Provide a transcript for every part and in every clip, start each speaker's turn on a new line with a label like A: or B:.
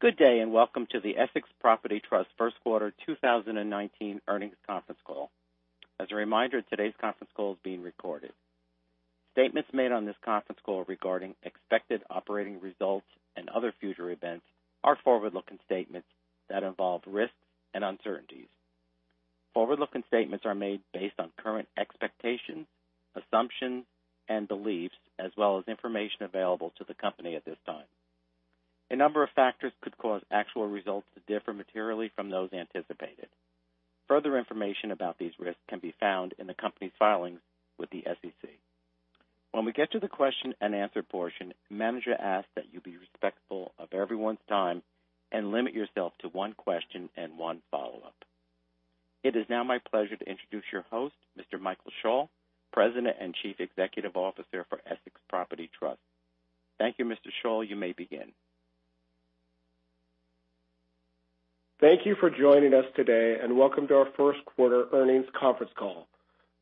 A: Good day, and welcome to the Essex Property Trust first quarter 2019 earnings conference call. As a reminder, today's conference call is being recorded. Statements made on this conference call regarding expected operating results and other future events are forward-looking statements that involve risks and uncertainties. Forward-looking statements are made based on current expectations, assumptions, and beliefs, as well as information available to the company at this time. A number of factors could cause actual results to differ materially from those anticipated. Further information about these risks can be found in the company's filings with the SEC. When we get to the question and answer portion, manager asks that you be respectful of everyone's time and limit yourself to one question and one follow-up. It is now my pleasure to introduce your host, Mr. Michael Schall, President and Chief Executive Officer for Essex Property Trust. Thank you, Mr. Schall. You may begin.
B: Thank you for joining us today. Welcome to our first quarter earnings conference call.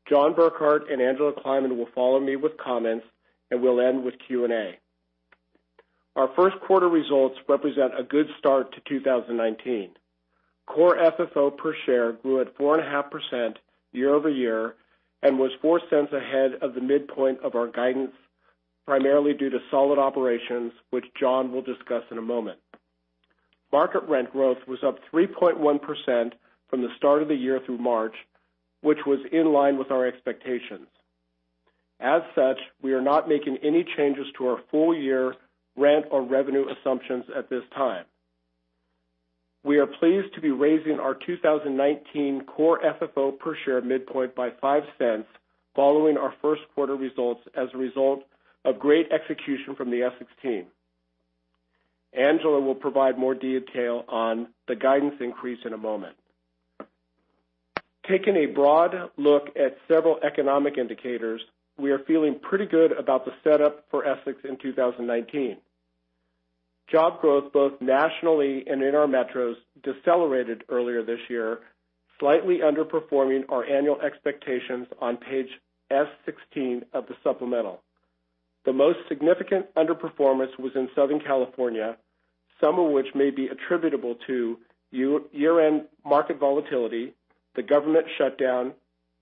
B: John Burkart and Angela Kleiman will follow me with comments, and we'll end with Q&A. Our first quarter results represent a good start to 2019. Core FFO per share grew at 4.5% year-over-year and was $0.04 ahead of the midpoint of our guidance, primarily due to solid operations, which John will discuss in a moment. Market rent gross was up 3.1% from the start of the year through March, which was in line with our expectations. We are not making any changes to our full year rent or revenue assumptions at this time. We are pleased to be raising our 2019 core FFO per share midpoint by $0.05 following our first quarter results as a result of great execution from the Essex team. Angela will provide more detail on the guidance increase in a moment. Taking a broad look at several economic indicators, we are feeling pretty good about the setup for Essex in 2019. Job growth both nationally and in our metros decelerated earlier this year, slightly underperforming our annual expectations on page S16 of the supplemental. The most significant underperformance was in Southern California, some of which may be attributable to year-end market volatility, the government shutdown,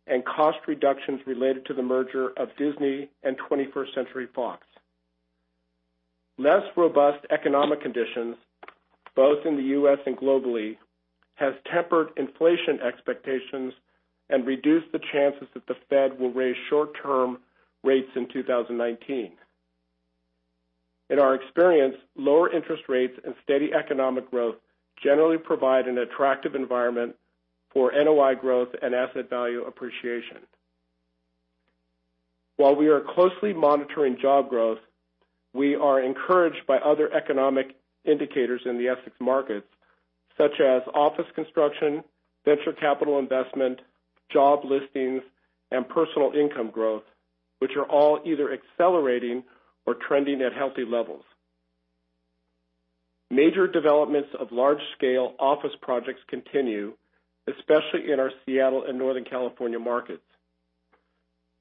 B: and cost reductions related to the merger of The Walt Disney Company and 21st Century Fox. Less robust economic conditions, both in the U.S. and globally, has tempered inflation expectations and reduced the chances that the Fed will raise short-term rates in 2019. In our experience, lower interest rates and steady economic growth generally provide an attractive environment for NOI growth and asset value appreciation. While we are closely monitoring job growth, we are encouraged by other economic indicators in the Essex markets such as office construction, venture capital investment, job listings, and personal income growth, which are all either accelerating or trending at healthy levels. Major developments of large-scale office projects continue, especially in our Seattle and Northern California markets.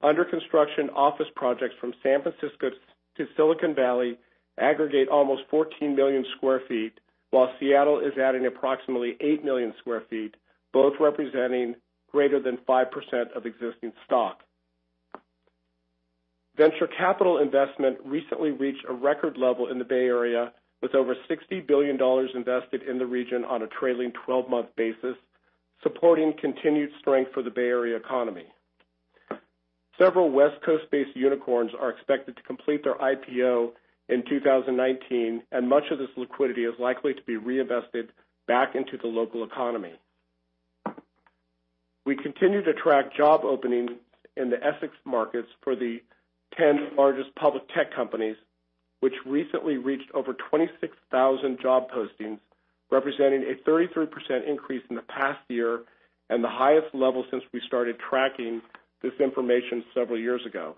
B: Under construction office projects from San Francisco to Silicon Valley aggregate almost 14 million sq ft, while Seattle is adding approximately 8 million sq ft, both representing greater than 5% of existing stock. Venture capital investment recently reached a record level in the Bay Area with over $60 billion invested in the region on a trailing 12-month basis, supporting continued strength for the Bay Area economy. Several West Coast-based unicorns are expected to complete their IPO in 2019. Much of this liquidity is likely to be reinvested back into the local economy. We continue to track job openings in the Essex markets for the 10 largest public tech companies, which recently reached over 26,000 job postings, representing a 33% increase in the past year and the highest level since we started tracking this information several years ago.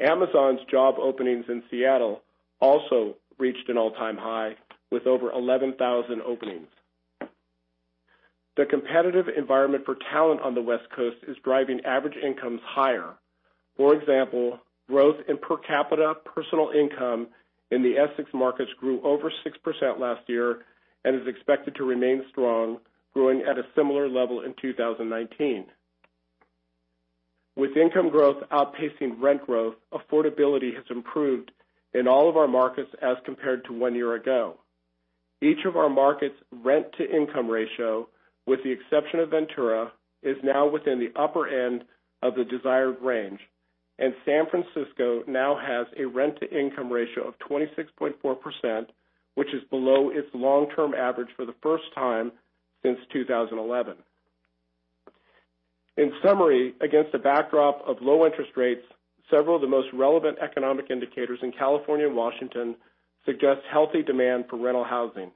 B: Amazon's job openings in Seattle also reached an all-time high with over 11,000 openings. The competitive environment for talent on the West Coast is driving average incomes higher. For example, growth in per capita personal income in the Essex markets grew over 6% last year and is expected to remain strong, growing at a similar level in 2019. With income growth outpacing rent growth, affordability has improved in all of our markets as compared to one year ago. Each of our markets' rent-to-income ratio, with the exception of Ventura, is now within the upper end of the desired range. San Francisco now has a rent-to-income ratio of 26.4%, which is below its long-term average for the first time since 2011. In summary, against a backdrop of low interest rates, several of the most relevant economic indicators in California and Washington suggest healthy demand for rental housing.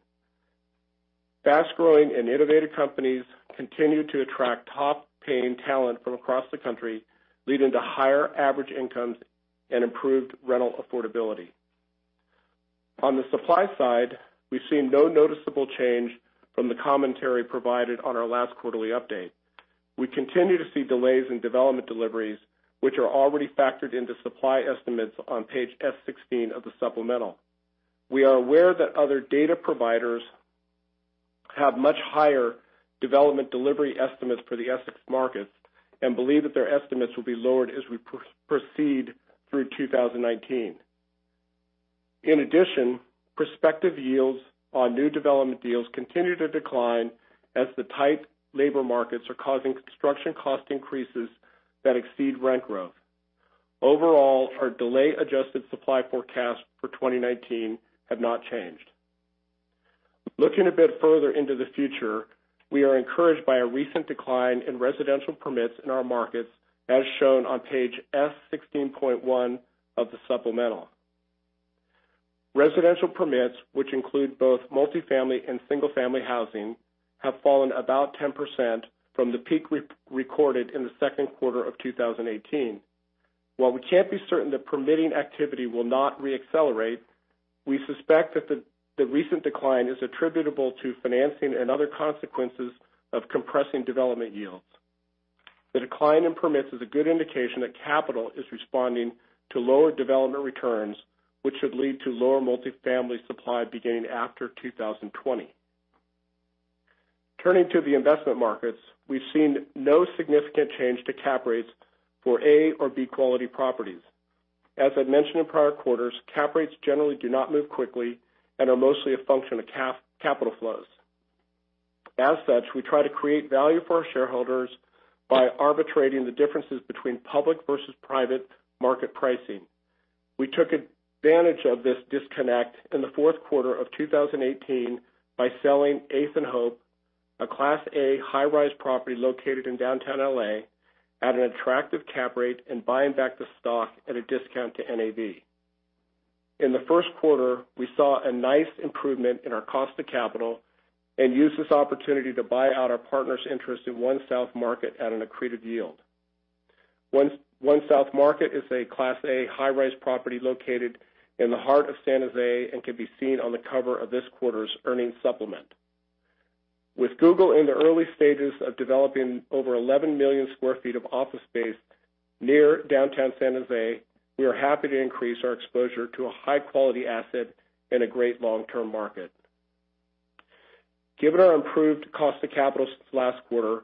B: Fast-growing and innovative companies continue to attract top-paying talent from across the country, leading to higher average incomes and improved rental affordability. On the supply side, we've seen no noticeable change from the commentary provided on our last quarterly update. We continue to see delays in development deliveries, which are already factored into supply estimates on page S16 of the supplemental. We are aware that other data providers have much higher development delivery estimates for the Essex markets and believe that their estimates will be lowered as we proceed through 2019. In addition, prospective yields on new development deals continue to decline as the tight labor markets are causing construction cost increases that exceed rent growth. Overall, our delay-adjusted supply forecast for 2019 have not changed. Looking a bit further into the future, we are encouraged by a recent decline in residential permits in our markets, as shown on page S16.1 of the supplemental. Residential permits, which include both multi-family and single-family housing, have fallen about 10% from the peak recorded in the second quarter of 2018. While we can't be certain that permitting activity will not re-accelerate, we suspect that the recent decline is attributable to financing and other consequences of compressing development yields. The decline in permits is a good indication that capital is responding to lower development returns, which should lead to lower multi-family supply beginning after 2020. Turning to the investment markets, we've seen no significant change to cap rates for A or B quality properties. As I mentioned in prior quarters, cap rates generally do not move quickly and are mostly a function of capital flows. As such, we try to create value for our shareholders by arbitrating the differences between public versus private market pricing. We took advantage of this disconnect in the fourth quarter of 2018 by selling 8th+Hope, a Class A high-rise property located in downtown L.A. at an attractive cap rate and buying back the stock at a discount to NAV. In the first quarter, we saw a nice improvement in our cost of capital and used this opportunity to buy out our partner's interest in One South Market at an accreted yield. One South Market is a Class A high-rise property located in the heart of San Jose and can be seen on the cover of this quarter's earnings supplement. With Google in the early stages of developing over 11 million square feet of office space near downtown San Jose, we are happy to increase our exposure to a high-quality asset in a great long-term market. Given our improved cost of capital since last quarter,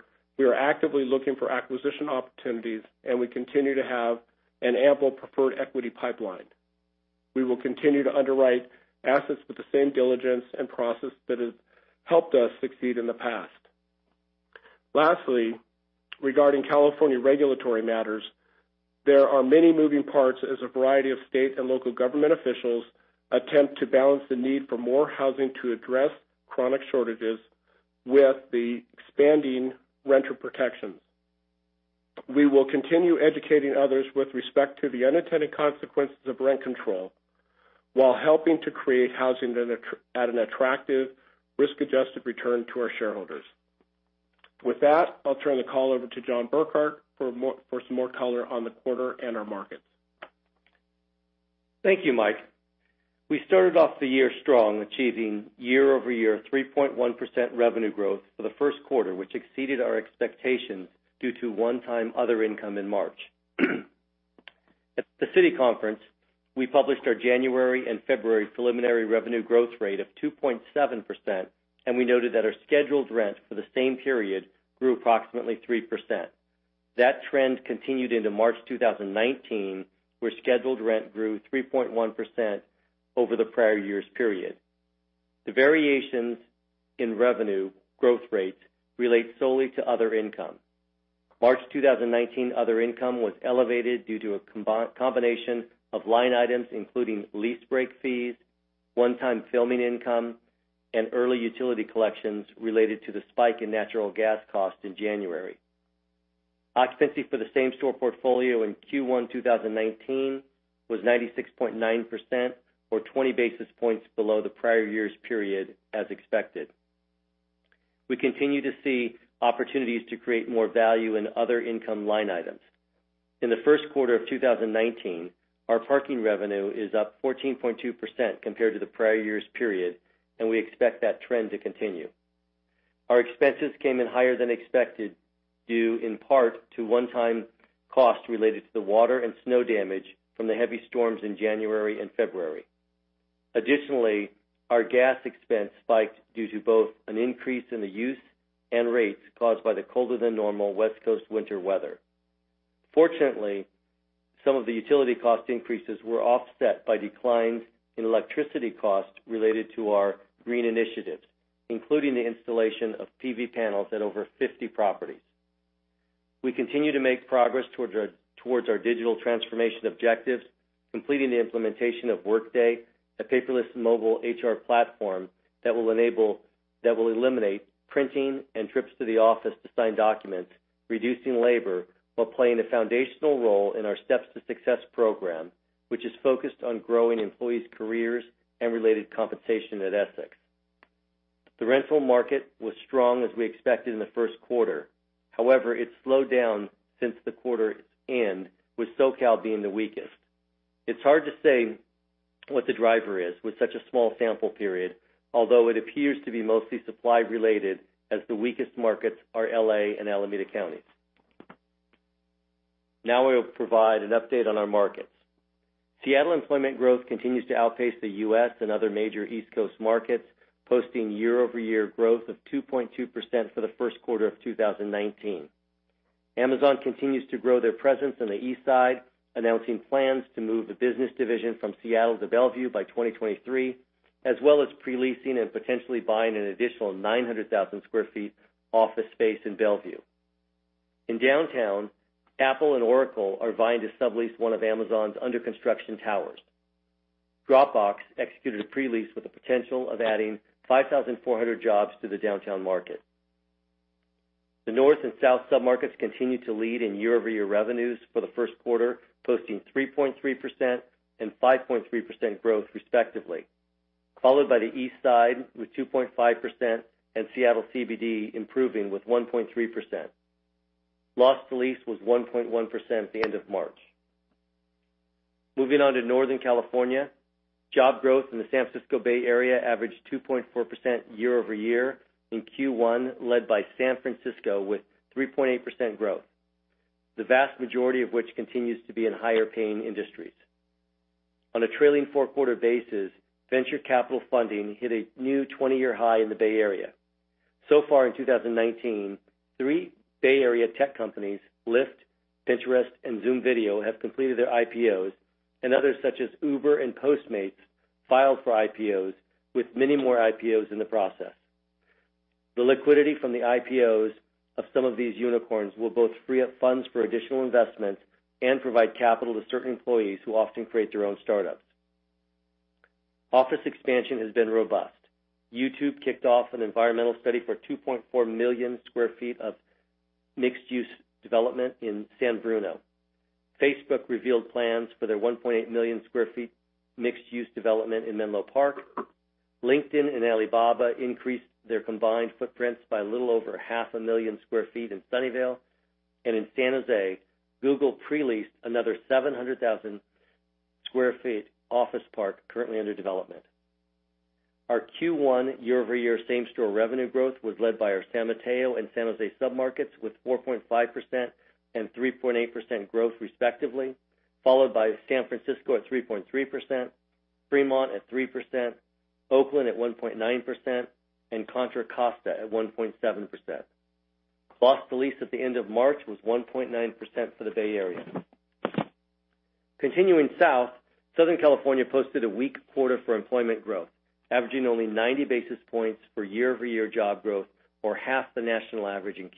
B: we continue to have an ample preferred equity pipeline. We will continue to underwrite assets with the same diligence and process that has helped us succeed in the past. Lastly, regarding California regulatory matters, there are many moving parts as a variety of state and local government officials attempt to balance the need for more housing to address chronic shortages with the expanding renter protections. We will continue educating others with respect to the unintended consequences of rent control while helping to create housing at an attractive, risk-adjusted return to our shareholders. With that, I'll turn the call over to John Burkart for some more color on the quarter and our markets.
C: Thank you, Mike. We started off the year strong, achieving year-over-year 3.1% revenue growth for the first quarter, which exceeded our expectations due to one-time other income in March. At the Citi conference, we published our January and February preliminary revenue growth rate of 2.7%, we noted that our scheduled rent for the same period grew approximately 3%. That trend continued into March 2019, where scheduled rent grew 3.1% over the prior year's period. The variations in revenue growth rates relate solely to other income. March 2019 other income was elevated due to a combination of line items including lease break fees, one-time filming income, and early utility collections related to the spike in natural gas costs in January. Occupancy for the same-store portfolio in Q1 2019 was 96.9%, or 20 basis points below the prior year's period, as expected. We continue to see opportunities to create more value in other income line items. In the first quarter of 2019, our parking revenue is up 14.2% compared to the prior year's period. We expect that trend to continue. Our expenses came in higher than expected due in part to one-time costs related to the water and snow damage from the heavy storms in January and February. Additionally, our gas expense spiked due to both an increase in the use and rates caused by the colder than normal West Coast winter weather. Fortunately, some of the utility cost increases were offset by declines in electricity costs related to our green initiatives, including the installation of PV panels at over 50 properties. We continue to make progress towards our digital transformation objectives, completing the implementation of Workday, a paperless mobile HR platform that will eliminate printing and trips to the office to sign documents, reducing labor while playing a foundational role in our Steps to Success program, which is focused on growing employees' careers and related compensation at Essex. The rental market was strong as we expected in the first quarter. However, it slowed down since the quarter's end, with SoCal being the weakest. It's hard to say what the driver is with such a small sample period, although it appears to be mostly supply-related as the weakest markets are L.A. and Alameda County. I will provide an update on our markets. Seattle employment growth continues to outpace the U.S. and other major East Coast markets, posting year-over-year growth of 2.2% for the first quarter of 2019. Amazon continues to grow their presence on the east side, announcing plans to move a business division from Seattle to Bellevue by 2023, as well as pre-leasing and potentially buying an additional 900,000 square feet office space in Bellevue. In downtown, Apple and Oracle are vying to sublease one of Amazon's under-construction towers. Dropbox executed a pre-lease with the potential of adding 5,400 jobs to the downtown market. The North and South submarkets continue to lead in year-over-year revenues for the first quarter, posting 3.3% and 5.3% growth respectively, followed by the East Side with 2.5% and Seattle CBD improving with 1.3%. Loss to lease was 1.1% at the end of March. Job growth in the San Francisco Bay Area averaged 2.4% year-over-year in Q1, led by San Francisco with 3.8% growth, the vast majority of which continues to be in higher-paying industries. On a trailing four-quarter basis, venture capital funding hit a new 20-year high in the Bay Area. In 2019, three Bay Area tech companies, Lyft, Pinterest, and Zoom Video, have completed their IPOs, and others such as Uber and Postmates filed for IPOs with many more IPOs in the process. The liquidity from the IPOs of some of these unicorns will both free up funds for additional investments and provide capital to certain employees who often create their own startups. Office expansion has been robust. YouTube kicked off an environmental study for 2.4 million square feet of mixed-use development in San Bruno. Facebook revealed plans for their 1.8 million square feet mixed-use development in Menlo Park. LinkedIn and Alibaba increased their combined footprints by a little over half a million square feet in Sunnyvale. In San Jose, Google pre-leased another 700,000 sq ft office park currently under development. Our Q1 year-over-year same-store revenue growth was led by our San Mateo and San Jose submarkets with 4.5% and 3.8% growth respectively, followed by San Francisco at 3.3%, Fremont at 3%, Oakland at 1.9%, and Contra Costa at 1.7%. Loss to lease at the end of March was 1.9% for the Bay Area. Southern California posted a weak quarter for employment growth, averaging only 90 basis points for year-over-year job growth or half the national average in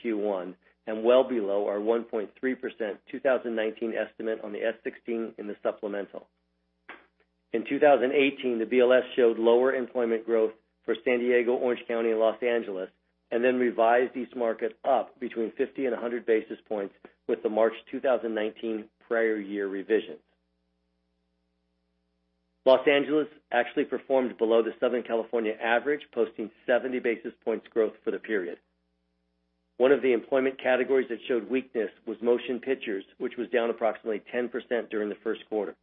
C: Q1, well below our 1.3% 2019 estimate on the S16 in the supplemental. In 2018, the BLS showed lower employment growth for San Diego, Orange County, and Los Angeles, then revised these markets up between 50 and 100 basis points with the March 2019 prior year revisions. Los Angeles actually performed below the Southern California average, posting 70 basis points growth for the period. One of the employment categories that showed weakness was motion pictures, which was down approximately 10% during the first quarter.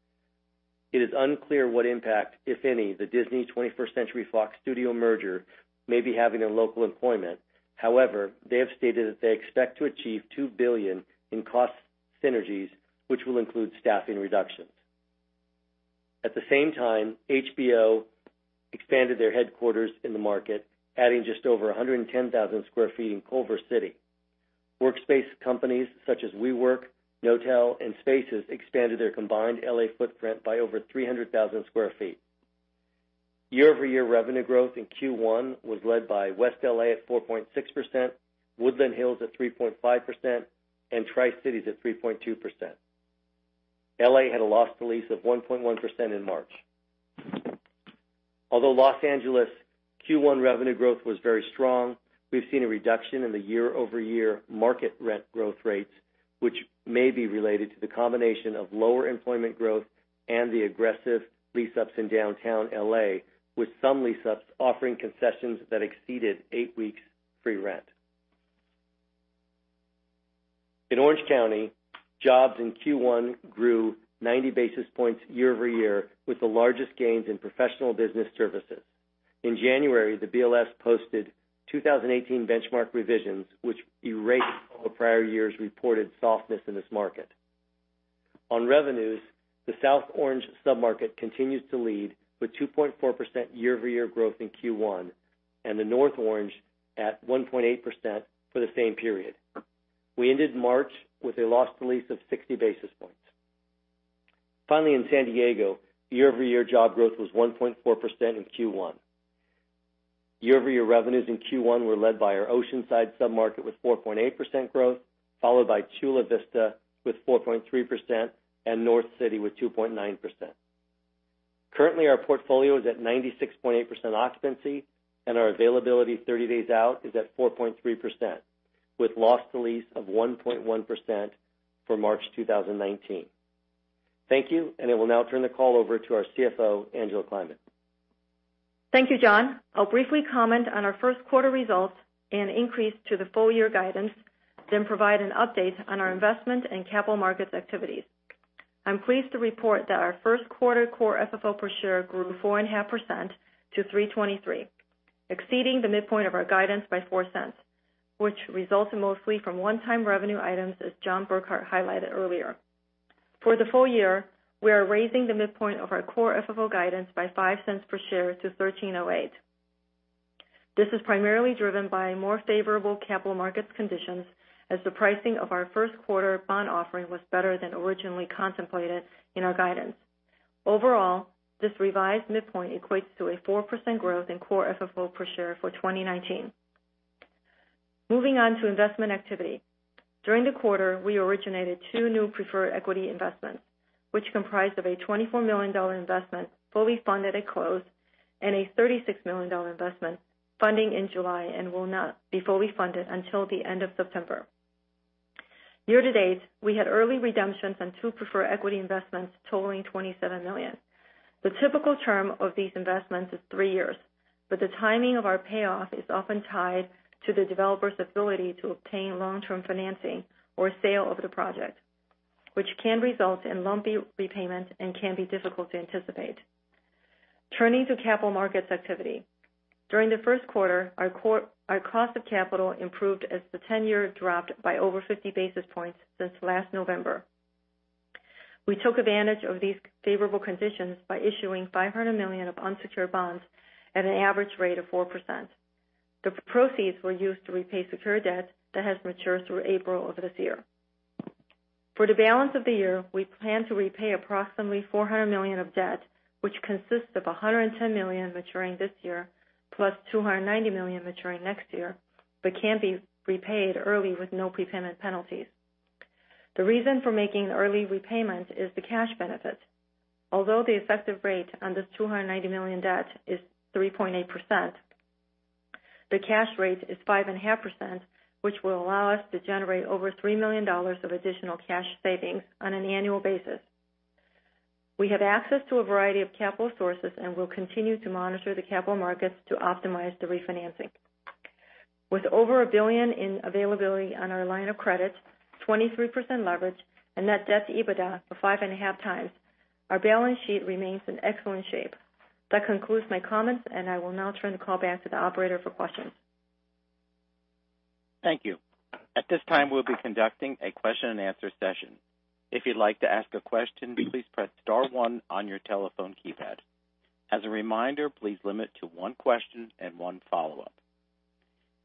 C: It is unclear what impact, if any, the Disney/21st Century Fox studio merger may be having on local employment. They have stated that they expect to achieve $2 billion in cost synergies, which will include staffing reductions. HBO expanded their headquarters in the market, adding just over 110,000 sq ft in Culver City. Workspace companies such as WeWork, Knotel, and Spaces expanded their combined L.A. footprint by over 300,000 sq ft. Year-over-year revenue growth in Q1 was led by West L.A. at 4.6%, Woodland Hills at 3.5%, and Tri-Cities at 3.2%. L.A. had a loss to lease of 1.1% in March. Los Angeles Q1 revenue growth was very strong, we've seen a reduction in the year-over-year market rent growth rates, which may be related to the combination of lower employment growth and the aggressive lease-ups in downtown L.A., with some lease-ups offering concessions that exceeded eight weeks free rent. Orange County, jobs in Q1 grew 90 basis points year-over-year, with the largest gains in professional business services. January, the BLS posted 2018 benchmark revisions, which erased the prior year's reported softness in this market. The South Orange submarket continues to lead with 2.4% year-over-year growth in Q1, and the North Orange at 1.8% for the same period. We ended March with a loss to lease of 60 basis points. San Diego, year-over-year job growth was 1.4% in Q1. Year-over-year revenues in Q1 were led by our Oceanside submarket with 4.8% growth, followed by Chula Vista with 4.3%, and North City with 2.9%. Currently, our portfolio is at 96.8% occupancy, our availability 30 days out is at 4.3%, with loss to lease of 1.1% for March 2019. Thank you, I will now turn the call over to our CFO, Angela Kleiman.
D: Thank you, John. I'll briefly comment on our first quarter results and increase to the full year guidance, then provide an update on our investment and capital markets activities. I'm pleased to report that our first quarter core FFO per share grew 4.5% to $3.23, exceeding the midpoint of our guidance by $0.04, which resulted mostly from one-time revenue items, as John Burkart highlighted earlier. For the full year, we are raising the midpoint of our core FFO guidance by $0.05 per share to $13.08. This is primarily driven by more favorable capital markets conditions as the pricing of our first quarter bond offering was better than originally contemplated in our guidance. Overall, this revised midpoint equates to a 4% growth in core FFO per share for 2019. Moving on to investment activity. During the quarter, we originated two new preferred equity investments, which comprised of a $24 million investment, fully funded at close, and a $36 million investment funding in July and will not be fully funded until the end of September. Year to date, we had early redemptions on two preferred equity investments totaling $27 million. The typical term of these investments is three years, but the timing of our payoff is often tied to the developer's ability to obtain long-term financing or sale of the project, which can result in lumpy repayments and can be difficult to anticipate. Turning to capital markets activity. During the first quarter, our cost of capital improved as the 10-year dropped by over 50 basis points since last November. We took advantage of these favorable conditions by issuing $500 million of unsecured bonds at an average rate of 4%. The proceeds were used to repay secure debt that has matured through April of this year. For the balance of the year, we plan to repay approximately $400 million of debt, which consists of $110 million maturing this year, plus $290 million maturing next year, but can be repaid early with no prepayment penalties. The reason for making the early repayment is the cash benefit. Although the effective rate on this $290 million debt is 3.8%, the cash rate is 5.5%, which will allow us to generate over $3 million of additional cash savings on an annual basis. We have access to a variety of capital sources and will continue to monitor the capital markets to optimize the refinancing. With over $1 billion in availability on our line of credit, 23% leverage, a net debt to EBITDA of 5.5 times, our balance sheet remains in excellent shape. That concludes my comments, I will now turn the call back to the operator for questions.
A: Thank you. At this time, we'll be conducting a question and answer session. If you'd like to ask a question, please press star one on your telephone keypad. As a reminder, please limit to one question and one follow-up.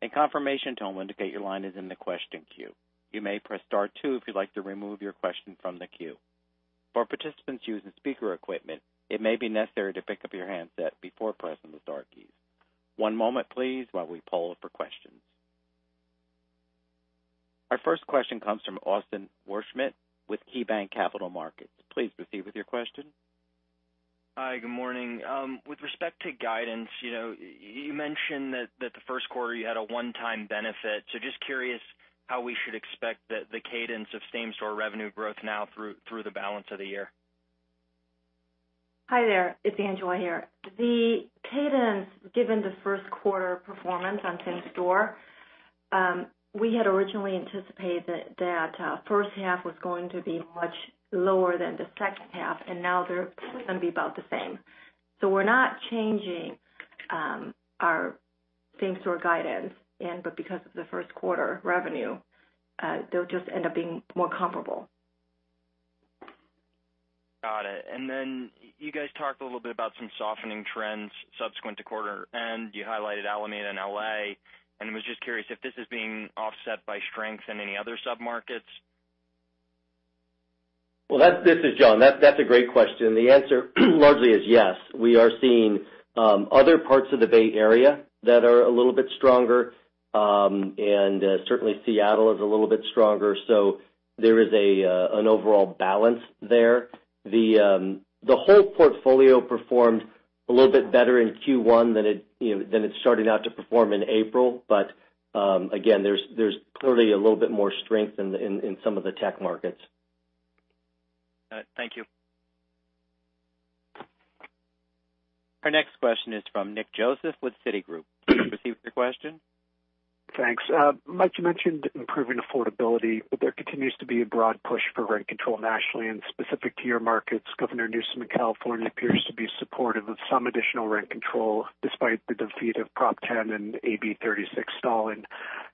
A: A confirmation tone will indicate your line is in the question queue. You may press star two if you'd like to remove your question from the queue. For participants using speaker equipment, it may be necessary to pick up your handset before pressing the star keys. One moment, please, while we poll for questions. Our first question comes from Austin Wurschmidt with KeyBanc Capital Markets. Please proceed with your question.
E: Hi. Good morning. With respect to guidance, you mentioned that the first quarter you had a one-time benefit. Just curious how we should expect the cadence of same-store revenue growth now through the balance of the year.
D: Hi there. It's Angela Kleiman here. The cadence, given the first quarter performance on same store, we had originally anticipated that first half was going to be much lower than the second half, and now they're going to be about the same. We're not changing our same store guidance, but because of the first quarter revenue, they'll just end up being more comparable.
E: Got it. You guys talked a little bit about some softening trends subsequent to quarter end. You highlighted Alameda and L.A., I was just curious if this is being offset by strength in any other sub-markets.
C: This is John. That's a great question. The answer largely is yes. We are seeing other parts of the Bay Area that are a little bit stronger, and certainly Seattle is a little bit stronger. There is an overall balance there. The whole portfolio performed a little bit better in Q1 than it started out to perform in April. Again, there's clearly a little bit more strength in some of the tech markets.
E: All right. Thank you.
A: Our next question is from Nick Joseph with Citigroup. Please proceed with your question.
F: Thanks. Mike, you mentioned improving affordability, there continues to be a broad push for rent control nationally and specific to your markets. Governor Newsom in California appears to be supportive of some additional rent control despite the defeat of Prop 10 and AB 36 stalling.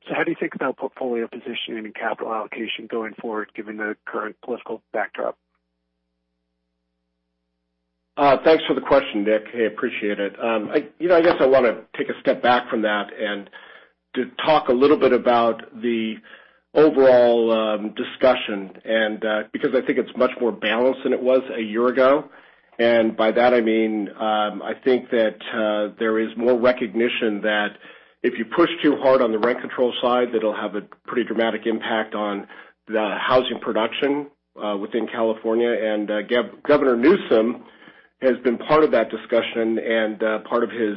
F: How do you think about portfolio positioning and capital allocation going forward, given the current political backdrop?
C: Thanks for the question, Nick. I appreciate it. I want to take a step back from that and to talk a little bit about the overall discussion, because I think it's much more balanced than it was a year ago. By that, I mean, I think that there is more recognition that if you push too hard on the rent control side, it'll have a pretty dramatic impact on the housing production within California. Gavin Newsom has been part of that discussion, and part of his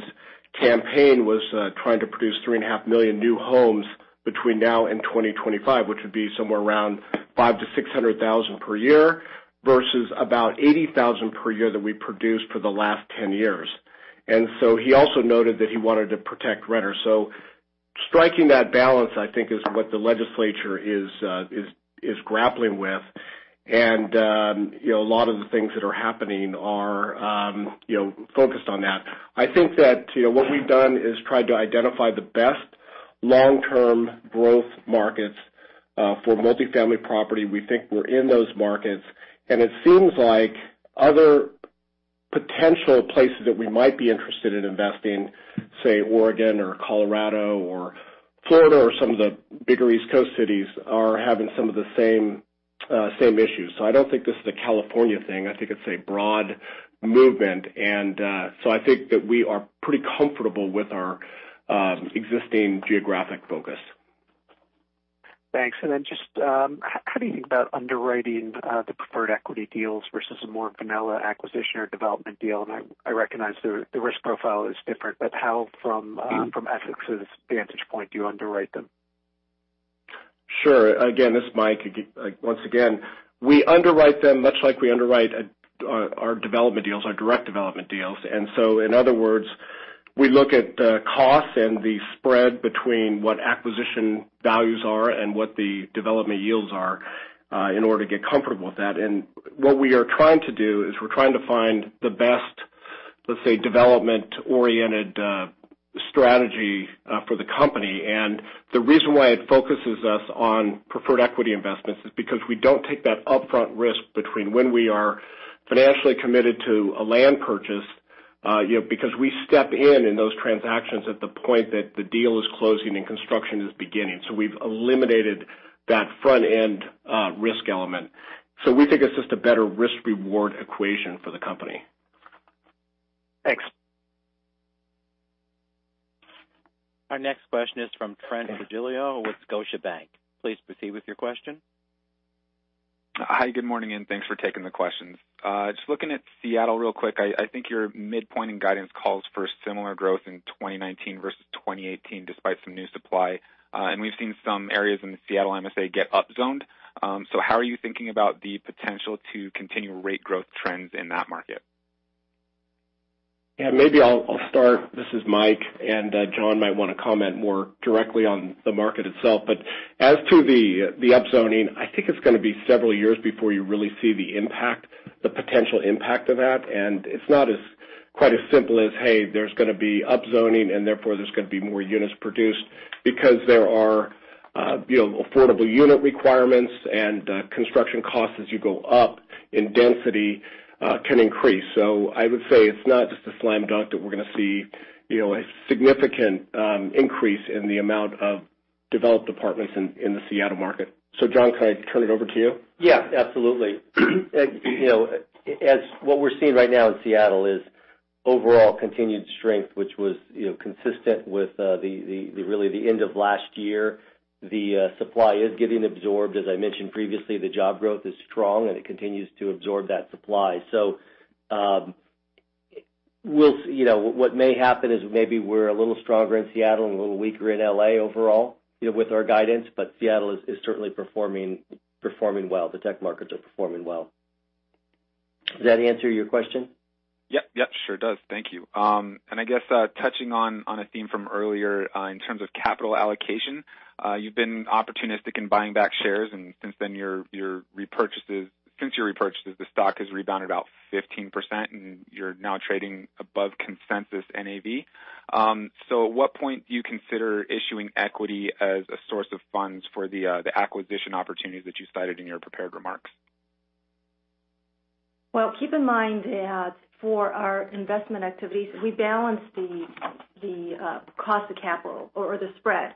B: campaign was trying to produce three and a half million new homes between now and 2025, which would be somewhere around 500,000-600,000 per year, versus about 80,000 per year that we produced for the last 10 years. He also noted that he wanted to protect renters. Striking that balance, I think, is what the legislature is grappling with. A lot of the things that are happening are focused on that. I think that what we've done is tried to identify the best long-term growth markets for multi-family property. We think we're in those markets, and it seems like other potential places that we might be interested in investing, say Oregon or Colorado or Florida or some of the bigger East Coast cities, are having some of the same issues. I don't think this is a California thing. I think it's a broad movement. I think that we are pretty comfortable with our existing geographic focus.
F: Thanks. Then just how do you think about underwriting the preferred equity deals versus a more vanilla acquisition or development deal? I recognize the risk profile is different, but how, from Essex's vantage point, do you underwrite them?
B: Sure. Again, this is Mike. Once again, we underwrite them much like we underwrite our development deals, our direct development deals. In other words, we look at the cost and the spread between what acquisition values are and what the development yields are in order to get comfortable with that. What we are trying to do is we're trying to find the best, let's say, development-oriented strategy for the company. The reason why it focuses us on preferred equity investments is because we don't take that upfront risk between when we are financially committed to a land purchase, because we step in in those transactions at the point that the deal is closing and construction is beginning. We've eliminated that front-end risk element. We think it's just a better risk-reward equation for the company.
F: Thanks.
A: Our next question is from Trent Trujillo with Scotiabank. Please proceed with your question.
G: Hi, good morning, and thanks for taking the questions. Just looking at Seattle real quick, I think your midpoint in guidance calls for similar growth in 2019 versus 2018, despite some new supply. We've seen some areas in the Seattle MSA get upzoned. How are you thinking about the potential to continue rate growth trends in that market?
B: Yeah, maybe I'll start. This is Mike, and John might want to comment more directly on the market itself. But as to the upzoning, I think it's going to be several years before you really see the potential impact of that. It's not as quite as simple as, hey, there's going to be upzoning, and therefore there's going to be more units produced, because there are affordable unit requirements, and construction costs as you go up in density can increase. I would say it's not just a slam dunk that we're going to see a significant increase in the amount of developed apartments in the Seattle market. John, can I turn it over to you?
C: Yeah, absolutely. What we're seeing right now in Seattle is overall continued strength, which was consistent with really the end of last year. The supply is getting absorbed. As I mentioned previously, the job growth is strong, and it continues to absorb that supply. What may happen is maybe we're a little stronger in Seattle and a little weaker in L.A. overall with our guidance, but Seattle is certainly performing well. The tech markets are performing well. Does that answer your question?
G: Yep. Sure does. Thank you. I guess touching on a theme from earlier in terms of capital allocation, you've been opportunistic in buying back shares, and since your repurchases, the stock has rebounded about 15%, and you're now trading above consensus NAV. At what point do you consider issuing equity as a source of funds for the acquisition opportunities that you cited in your prepared remarks?
D: Well, keep in mind that for our investment activities, we balance the cost of capital or the spread.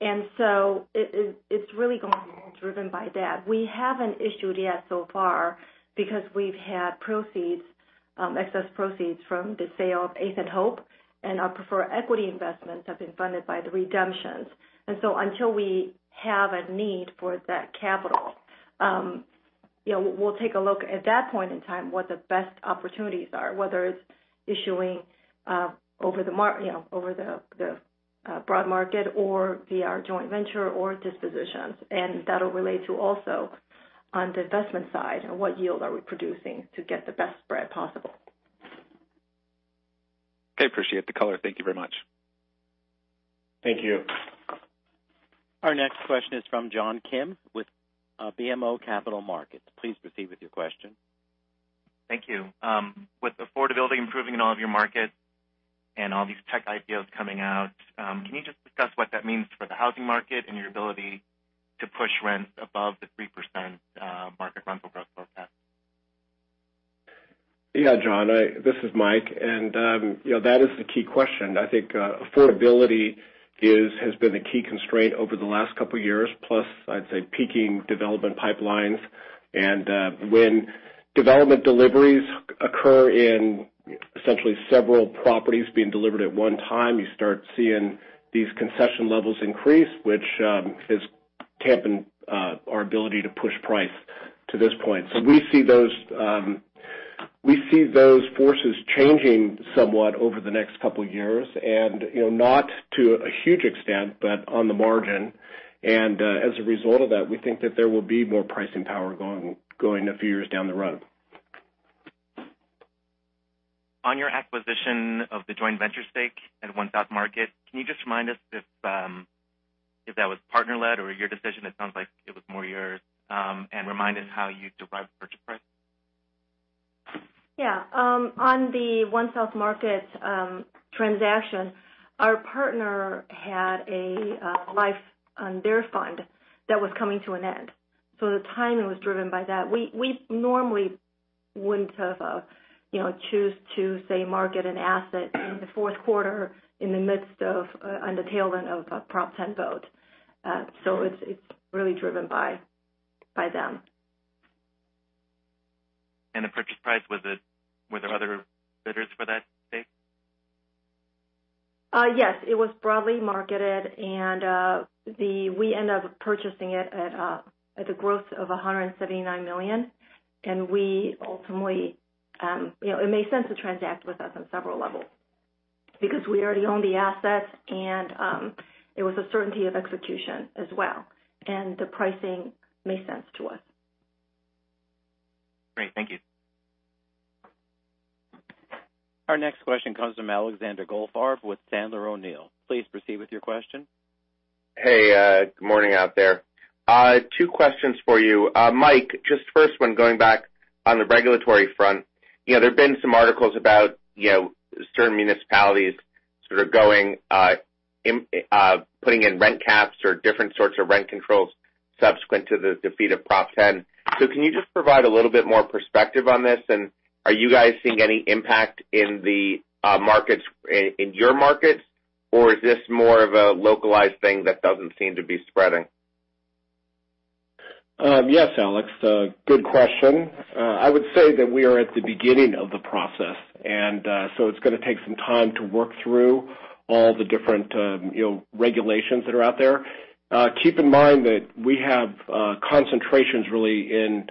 D: It's really going to be driven by that. We haven't issued yet so far because we've had excess proceeds from the sale of Eighth and Hope, and our preferred equity investments have been funded by the redemptions. Until we have a need for that capital, we'll take a look at that point in time what the best opportunities are, whether it's issuing over the broad market or via our joint venture or dispositions. That'll relate to also on the investment side and what yield are we producing to get the best spread possible.
G: I appreciate the color. Thank you very much.
C: Thank you.
A: Our next question is from John Kim with BMO Capital Markets. Please proceed with your question.
H: Thank you. With affordability improving in all of your markets and all these tech IPOs coming out, can you just discuss what that means for the housing market and your ability to push rents above the 3% market rental growth forecast?
B: Yeah, John. This is Mike. That is the key question. I think affordability has been the key constraint over the last couple of years, plus, I'd say, peaking development pipelines. When development deliveries occur in essentially several properties being delivered at one time, you start seeing these concession levels increase, which is tamping our ability to push price to this point. We see those forces changing somewhat over the next couple of years and not to a huge extent, but on the margin. As a result of that, we think that there will be more pricing power going a few years down the road.
H: On your acquisition of the joint venture stake at One South Market, can you just remind us if that was partner-led or your decision? It sounds like it was more yours. Remind us how you derived the purchase price.
D: Yeah. On the One South Market transaction, our partner had a life on their fund that was coming to an end. The timing was driven by that. We normally wouldn't have chosen to, say, market an asset in the fourth quarter in the midst of, on the tail end of a Prop 10 vote. It's really driven by them.
H: The purchase price, were there other bidders for that stake?
D: Yes. It was broadly marketed, we ended up purchasing it at a growth of $179 million. It made sense to transact with us on several levels because we already own the asset, and it was a certainty of execution as well. The pricing made sense to us.
H: Great. Thank you.
A: Our next question comes from Alexander Goldfarb with Sandler O'Neill. Please proceed with your question.
I: Hey, good morning out there. Two questions for you. Mike, just first one, going back on the regulatory front. There've been some articles about certain municipalities sort of putting in rent caps or different sorts of rent controls subsequent to the defeat of Prop 10. Can you just provide a little bit more perspective on this? Are you guys seeing any impact in your markets, or is this more of a localized thing that doesn't seem to be spreading?
B: Yes, Alex. Good question. I would say that we are at the beginning of the process, it's going to take some time to work through all the different regulations that are out there. Keep in mind that we have concentrations really in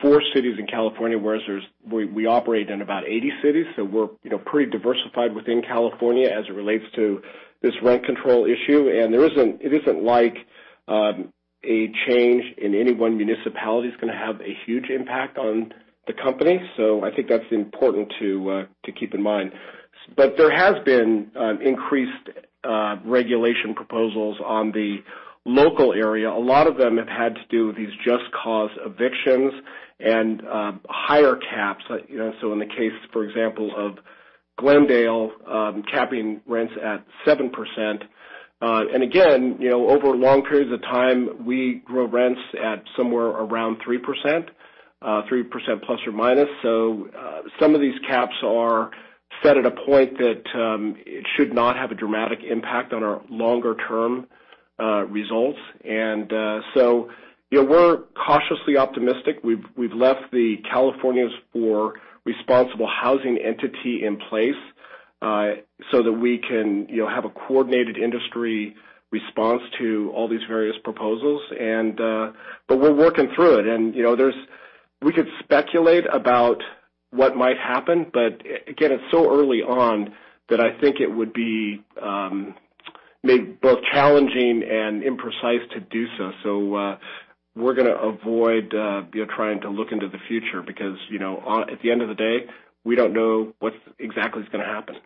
B: four cities in California, whereas we operate in about 80 cities. We're pretty diversified within California as it relates to this rent control issue. It isn't like a change in any one municipality is going to have a huge impact on the company. I think that's important to keep in mind. There has been increased regulation proposals on the local area. A lot of them have had to do with these just cause evictions and higher caps. In the case, for example, of Glendale capping rents at 7%. Over long periods of time, we grow rents at somewhere around 3%, 3% plus or minus. Some of these caps are set at a point that it should not have a dramatic impact on our longer-term results. We're cautiously optimistic. We've left the Californians for Responsible Housing entity in place so that we can have a coordinated industry response to all these various proposals. We're working through it. We could speculate about what might happen, but again, it's so early on that I think it would be both challenging and imprecise to do so. We're going to avoid trying to look into the future because, at the end of the day, we don't know what exactly is going to happen.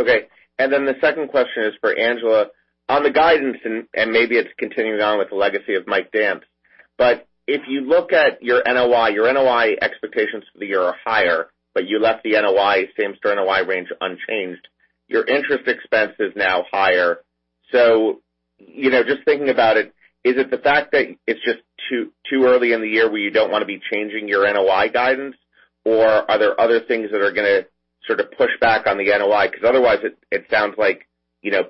I: Okay. The second question is for Angela. On the guidance, maybe it's continuing on with the legacy of Mike Dance. If you look at your NOI, your NOI expectations for the year are higher, but you left the same NOI range unchanged. Your interest expense is now higher. Just thinking about it, is it the fact that it's just too early in the year where you don't want to be changing your NOI guidance, or are there other things that are going to sort of push back on the NOI? Because otherwise it sounds like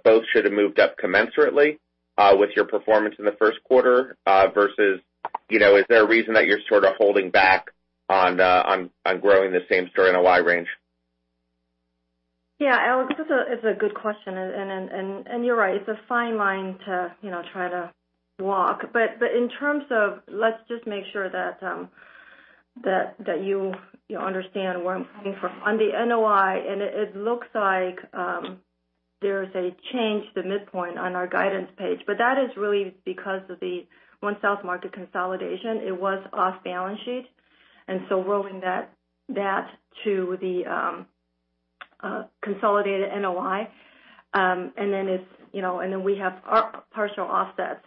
I: both should have moved up commensurately with your performance in the first quarter versus is there a reason that you're sort of holding back on growing the same store NOI range?
D: Yeah. Alex, it's a good question. You're right, it's a fine line to try to walk. In terms of let's just make sure that you understand where I'm coming from. On the NOI, it looks like there's a change to the midpoint on our guidance page, but that is really because of the One South Market consolidation. It was off balance sheet, rolling that to the consolidated NOI. Then we have partial offsets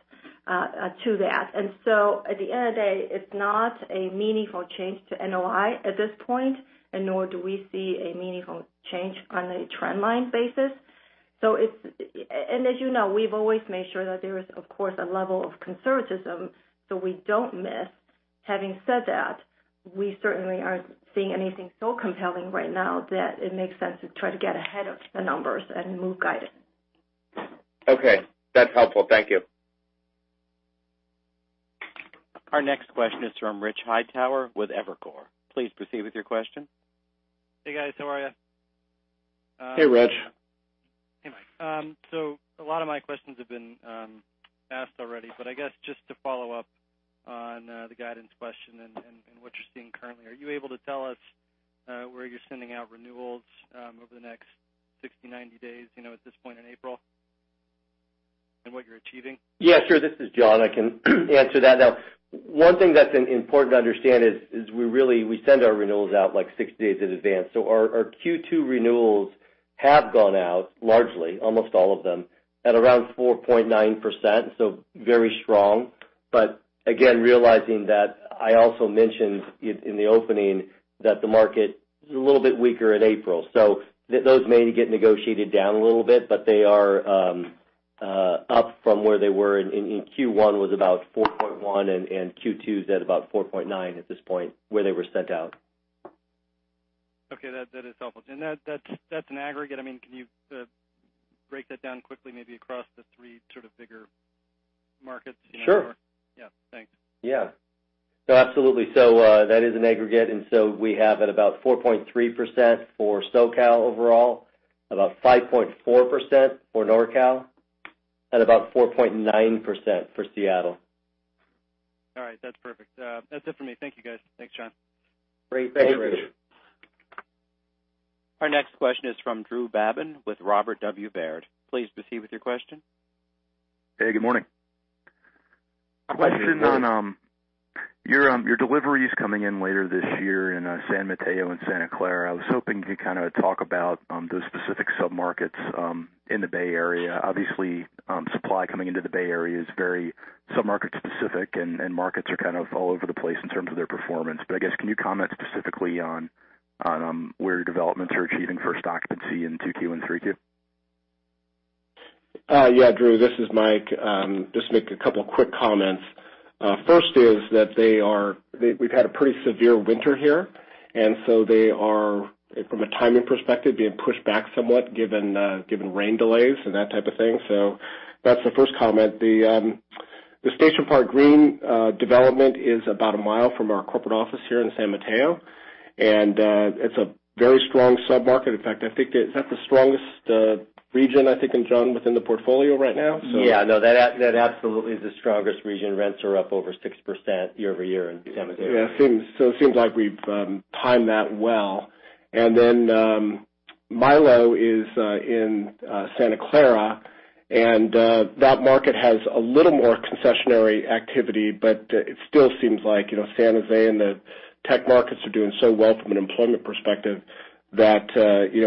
D: to that. At the end of the day, it's not a meaningful change to NOI at this point, nor do we see a meaningful change on a trend line basis. As you know, we've always made sure that there is, of course, a level of conservatism, so we don't miss. Having said that, we certainly aren't seeing anything so compelling right now that it makes sense to try to get ahead of the numbers and move guidance.
I: Okay. That's helpful. Thank you.
A: Our next question is from Rich Hightower with Evercore. Please proceed with your question.
J: Hey, guys. How are you?
B: Hey, Rich.
J: Hey, Mike. A lot of my questions have been asked already, I guess just to follow up on the guidance question and what you're seeing currently, are you able to tell us where you're sending out renewals over the next 60, 90 days, at this point in April? What you're achieving?
C: Yeah, sure. This is John. I can answer that. One thing that's important to understand is we send our renewals out 60 days in advance. Our Q2 renewals have gone out largely, almost all of them, at around 4.9%, very strong. Again, realizing that I also mentioned in the opening that the market is a little bit weaker in April. Those may get negotiated down a little bit, but they are up from where they were in Q1, was about 4.1%, and Q2 is at about 4.9% at this point, where they were sent out.
J: Okay. That is helpful. That's an aggregate. Can you break that down quickly, maybe across the three sort of bigger markets?
C: Sure.
J: Yeah. Thanks.
C: Yeah. No, absolutely. That is an aggregate. We have at about 4.3% for SoCal overall, about 5.4% for NorCal, and about 4.9% for Seattle.
J: All right. That's perfect. That's it for me. Thank you, guys. Thanks, John.
C: Great. Thank you, Rich.
B: Thank you.
A: Our next question is from Drew Babin with Robert W. Baird. Please proceed with your question.
K: Hey, good morning.
B: Hey, Drew.
K: A question on your deliveries coming in later this year in San Mateo and Santa Clara. I was hoping to kind of talk about those specific sub-markets in the Bay Area. Obviously, supply coming into the Bay Area is very sub-market specific, and markets are kind of all over the place in terms of their performance. I guess, can you comment specifically on where your developments are achieving first occupancy in 2Q and 3Q?
B: Drew, this is Mike. Just make a couple of quick comments. First is that we've had a pretty severe winter here. They are, from a timing perspective, being pushed back somewhat given rain delays and that type of thing. That's the first comment. The Station Park Green development is about a mile from our corporate office here in San Mateo. It's a very strong sub-market. In fact, I think, is that the strongest region, I think, John, within the portfolio right now?
C: No, that absolutely is the strongest region. Rents are up over 6% year-over-year in San Mateo.
B: It seems like we've timed that well. Mylo is in Santa Clara. That market has a little more concessionary activity, but it still seems like San Jose and the tech markets are doing so well from an employment perspective that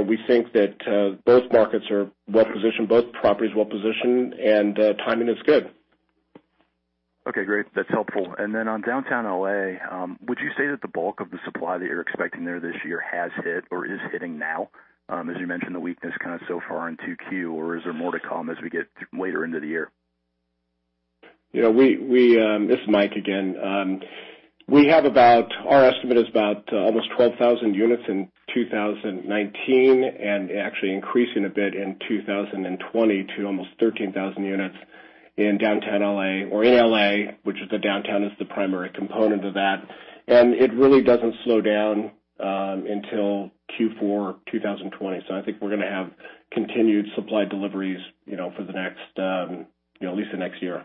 B: we think that both markets are well-positioned, both properties well-positioned, and timing is good.
K: Okay, great. That's helpful. On downtown L.A., would you say that the bulk of the supply that you're expecting there this year has hit or is hitting now? As you mentioned, the weakness kind of so far in 2Q, or is there more to come as we get later into the year?
B: This is Mike again. Our estimate is about almost 12,000 units in 2019 and actually increasing a bit in 2020 to almost 13,000 units in downtown L.A. or in L.A., which is the downtown is the primary component of that. It really doesn't slow down until Q4 2020. I think we're going to have continued supply deliveries for at least the next year.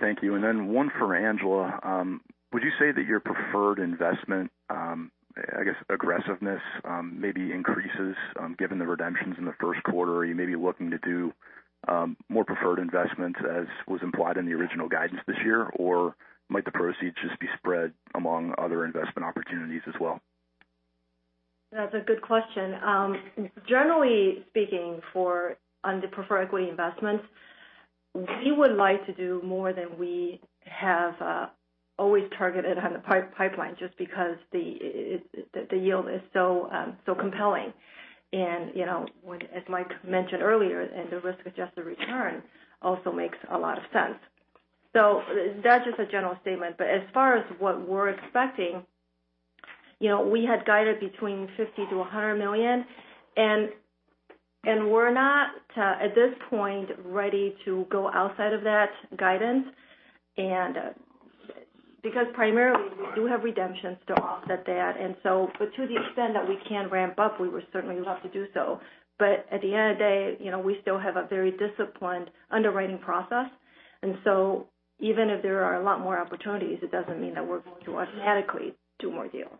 K: Thank you. Then one for Angela. Would you say that your preferred investment, I guess aggressiveness, maybe increases given the redemptions in the first quarter? Are you maybe looking to do more preferred investments as was implied in the original guidance this year, or might the proceeds just be spread among other investment opportunities as well?
D: That's a good question. Generally speaking, on the preferred equity investments, we would like to do more than we have always targeted on the pipeline, just because the yield is so compelling. As Mike mentioned earlier, the risk-adjusted return also makes a lot of sense. That's just a general statement. As far as what we're expecting, we had guided between $50 million to $100 million, we're not, at this point, ready to go outside of that guidance. Primarily, we do have redemptions to offset that. To the extent that we can ramp up, we would certainly love to do so. At the end of the day, we still have a very disciplined underwriting process, even if there are a lot more opportunities, it doesn't mean that we're going to automatically do more deals.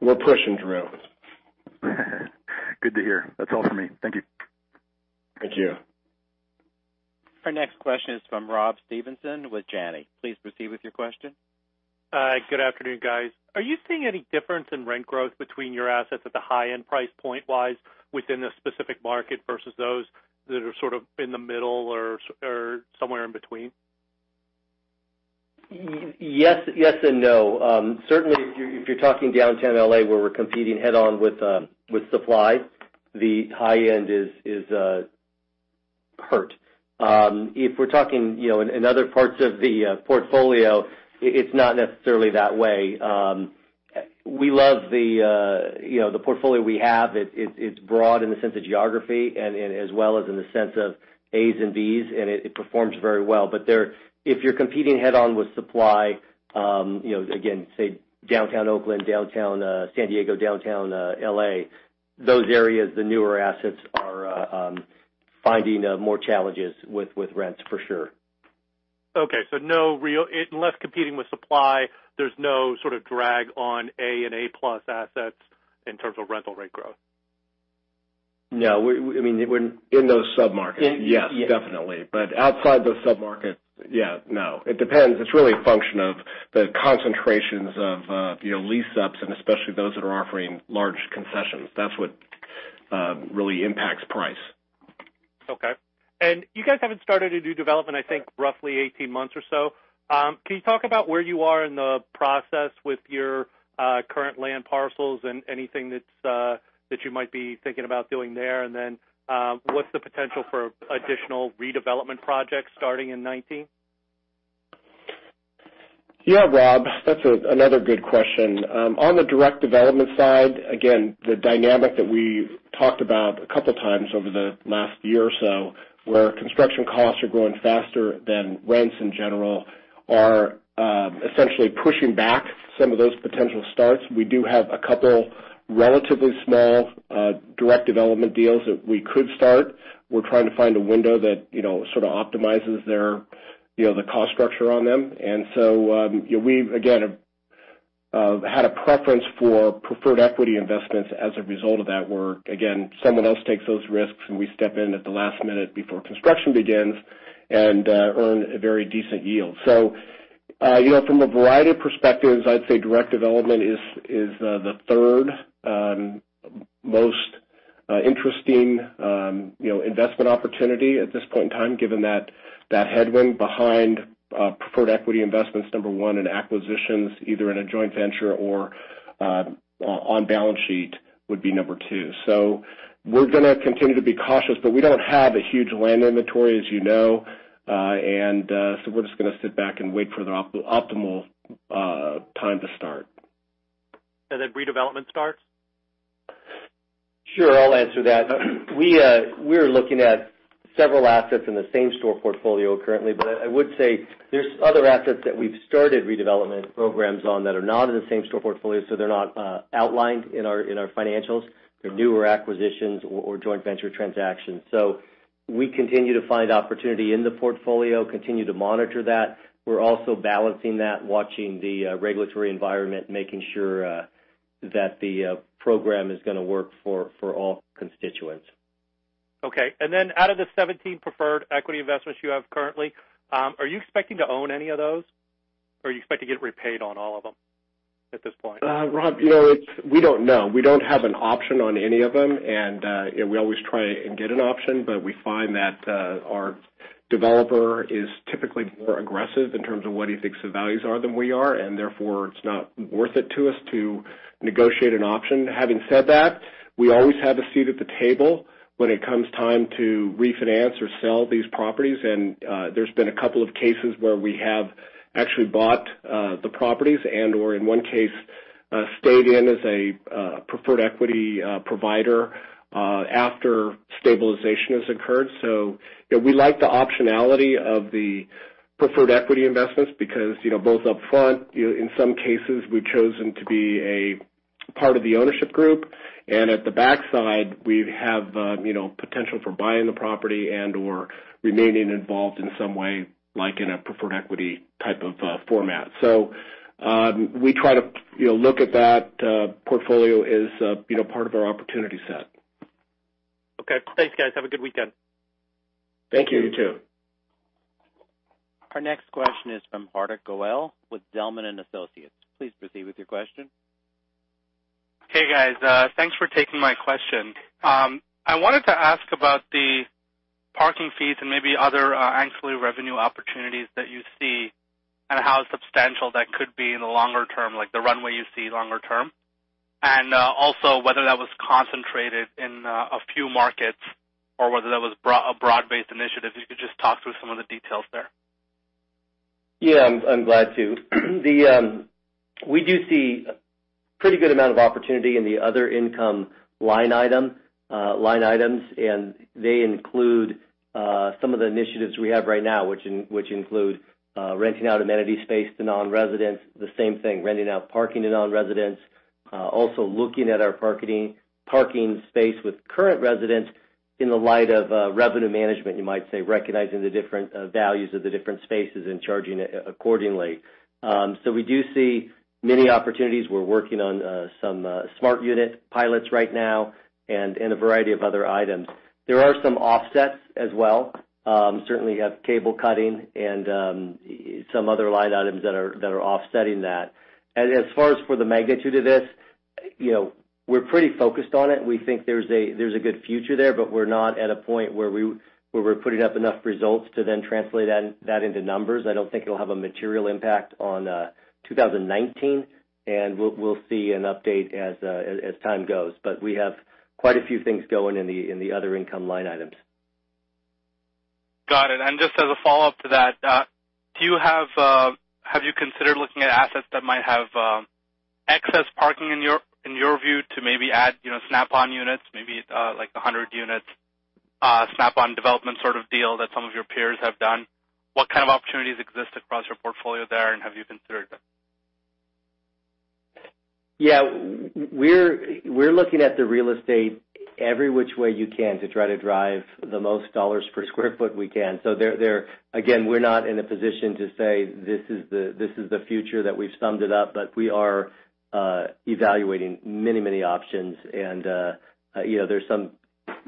B: We're pushing, Drew.
K: Good to hear. That's all for me. Thank you.
B: Thank you.
A: Our next question is from Rob Stevenson with Janney. Please proceed with your question.
L: Good afternoon, guys. Are you seeing any difference in rent growth between your assets at the high-end price point-wise within the specific market versus those that are sort of in the middle or somewhere in between?
C: Yes and no. Certainly, if you're talking downtown L.A., where we're competing head-on with supply, the high end is hurt. If we're talking in other parts of the portfolio, it's not necessarily that way. We love the portfolio we have. It's broad in the sense of geography and as well as in the sense of As and Bs, and it performs very well. If you're competing head-on with supply, again, say, downtown Oakland, downtown San Diego, downtown L.A., those areas, the newer assets are finding more challenges with rents, for sure.
L: Okay. Unless competing with supply, there's no sort of drag on A and A-plus assets in terms of rental rate growth.
C: No.
B: In those sub-markets.
C: In-
B: Yes, definitely. Outside those sub-markets, yeah, no. It depends. It's really a function of the concentrations of lease-ups and especially those that are offering large concessions. That's what really impacts price.
L: Okay. You guys haven't started a new development, I think, roughly 18 months or so. Can you talk about where you are in the process with your current land parcels and anything that you might be thinking about doing there? What's the potential for additional redevelopment projects starting in 2019?
B: Yeah, Rob, that's another good question. On the direct development side, again, the dynamic that we've talked about a couple times over the last year or so, where construction costs are growing faster than rents in general, are essentially pushing back some of those potential starts. We do have a couple relatively small, direct development deals that we could start. We're trying to find a window that sort of optimizes the cost structure on them. We, again, had a preference for preferred equity investments as a result of that work. Again, someone else takes those risks, and we step in at the last minute before construction begins and earn a very decent yield. From a variety of perspectives, I'd say direct development is the third most interesting investment opportunity at this point in time, given that headwind behind preferred equity investments, number 1, and acquisitions, either in a joint venture or on balance sheet, would be number 2. We're going to continue to be cautious, but we don't have a huge land inventory as you know. We're just going to sit back and wait for the optimal time to start.
L: Redevelopment starts?
C: Sure. I'll answer that. We're looking at several assets in the same-store portfolio currently, but I would say there's other assets that we've started redevelopment programs on that are not in the same-store portfolio, so they're not outlined in our financials. They're newer acquisitions or joint venture transactions. We continue to find opportunity in the portfolio, continue to monitor that. We're also balancing that, watching the regulatory environment, making sure that the program is going to work for all constituents.
L: Okay. Out of the 17 preferred equity investments you have currently, are you expecting to own any of those, or you expect to get repaid on all of them at this point?
B: Rob, we don't know. We don't have an option on any of them, and we always try and get an option, but we find that our developer is typically more aggressive in terms of what he thinks the values are than we are, and therefore, it's not worth it to us to negotiate an option. Having said that, we always have a seat at the table when it comes time to refinance or sell these properties, and there's been a couple of cases where we have actually bought the properties and/or in one case, stayed in as a preferred equity provider after stabilization has occurred. We like the optionality of the preferred equity investments because both upfront, in some cases, we've chosen to be a part of the ownership group, and at the backside, we have potential for buying the property and/or remaining involved in some way, like in a preferred equity type of format. We try to look at that portfolio as part of our opportunity set.
L: Okay. Thanks, guys. Have a good weekend.
C: Thank you.
B: You too.
A: Our next question is from Hardik Goel with Zelman & Associates. Please proceed with your question.
M: Hey, guys. Thanks for taking my question. I wanted to ask about the parking fees and maybe other ancillary revenue opportunities that you see and how substantial that could be in the longer term, like the runway you see longer term. Also whether that was concentrated in a few markets or whether that was a broad-based initiative. If you could just talk through some of the details there.
C: Yeah, I'm glad to. We do see a pretty good amount of opportunity in the other income line items. They include some of the initiatives we have right now, which include renting out amenity space to non-residents, the same thing, renting out parking to non-residents. Also looking at our parking space with current residents in the light of revenue management, you might say, recognizing the different values of the different spaces and charging accordingly. We do see many opportunities. We're working on some smart unit pilots right now and a variety of other items. There are some offsets as well. Certainly have cable cutting and some other line items that are offsetting that. As far as for the magnitude of this, we're pretty focused on it. We think there's a good future there, but we're not at a point where we're putting up enough results to then translate that into numbers. I don't think it'll have a material impact on 2019, and we'll see an update as time goes. We have quite a few things going in the other income line items.
M: Got it. Just as a follow-up to that, have you considered looking at assets that might have excess parking in your view to maybe add snap-on units, maybe like 100 units, snap-on development sort of deal that some of your peers have done? What kind of opportunities exist across your portfolio there, and have you considered them?
C: We're looking at the real estate every which way you can to try to drive the most dollars per square foot we can. Again, we're not in a position to say, this is the future, that we've summed it up, but we are evaluating many options. There's some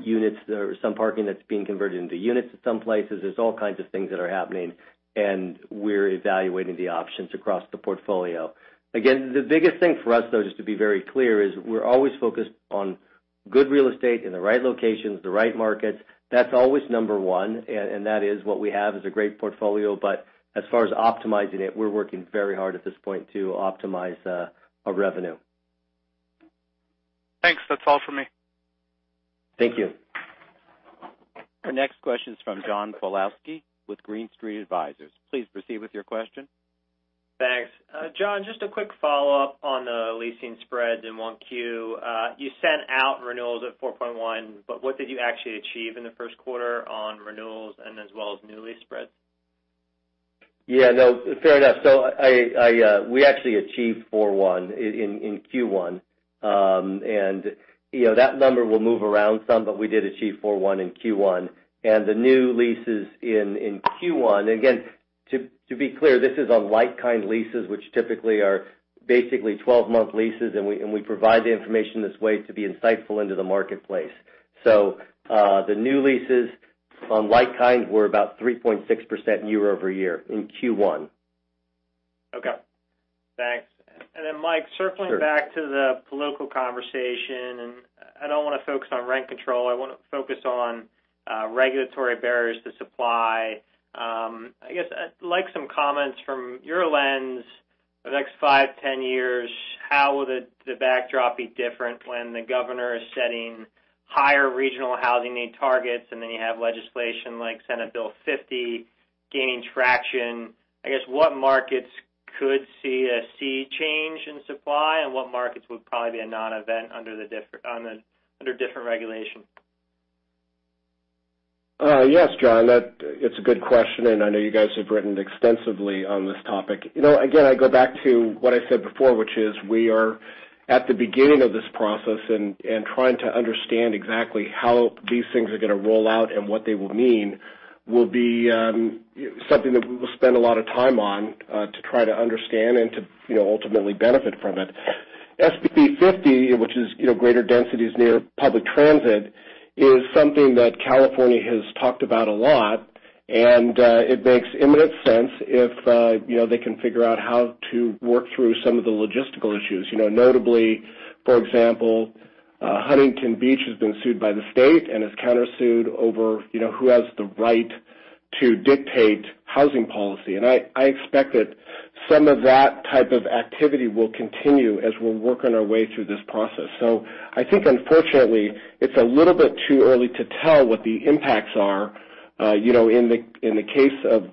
C: units, there is some parking that's being converted into units at some places. There's all kinds of things that are happening, and we're evaluating the options across the portfolio. Again, the biggest thing for us, though, just to be very clear, is we're always focused on good real estate in the right locations, the right markets. That's always number 1, and that is what we have, is a great portfolio. As far as optimizing it, we're working very hard at this point to optimize our revenue.
M: Thanks. That's all for me.
C: Thank you.
A: Our next question is from John Pawlowski with Green Street Advisors. Please proceed with your question.
N: Thanks. John, just a quick follow-up on the leasing spreads in 1Q. You sent out renewals at 4.1, what did you actually achieve in the first quarter on renewals and as well as new lease spreads?
C: Yeah, no, fair enough. We actually achieved 4.1 in Q1. That number will move around some, but we did achieve 4.1 in Q1. The new leases in Q1, again, to be clear, this is on like-kind leases, which typically are basically 12-month leases, and we provide the information this way to be insightful into the marketplace. The new leases on like kind were about 3.6% year-over-year in Q1.
N: Okay, thanks. Then Mike
B: Sure.
N: Circling back to the political conversation, and I don't want to focus on rent control, I want to focus on regulatory barriers to supply. I'd like some comments from your lens over the next five, 10 years, how will the backdrop be different when the Governor is setting higher regional housing need targets, and then you have legislation like Senate Bill 50 gaining traction? What markets could see a sea change in supply, and what markets would probably be a non-event under different regulation?
B: Yes, John, it's a good question. I know you guys have written extensively on this topic. Again, I go back to what I said before, which is we are at the beginning of this process and trying to understand exactly how these things are going to roll out and what they will mean will be something that we will spend a lot of time on, to try to understand and to ultimately benefit from it. SB 50, which is greater densities near public transit, is something that California has talked about a lot. It makes imminent sense if they can figure out how to work through some of the logistical issues. Notably, for example, Huntington Beach has been sued by the state and has countersued over who has the right to dictate housing policy. I expect that some of that type of activity will continue as we're working our way through this process. I think unfortunately, it's a little bit too early to tell what the impacts are. In the case of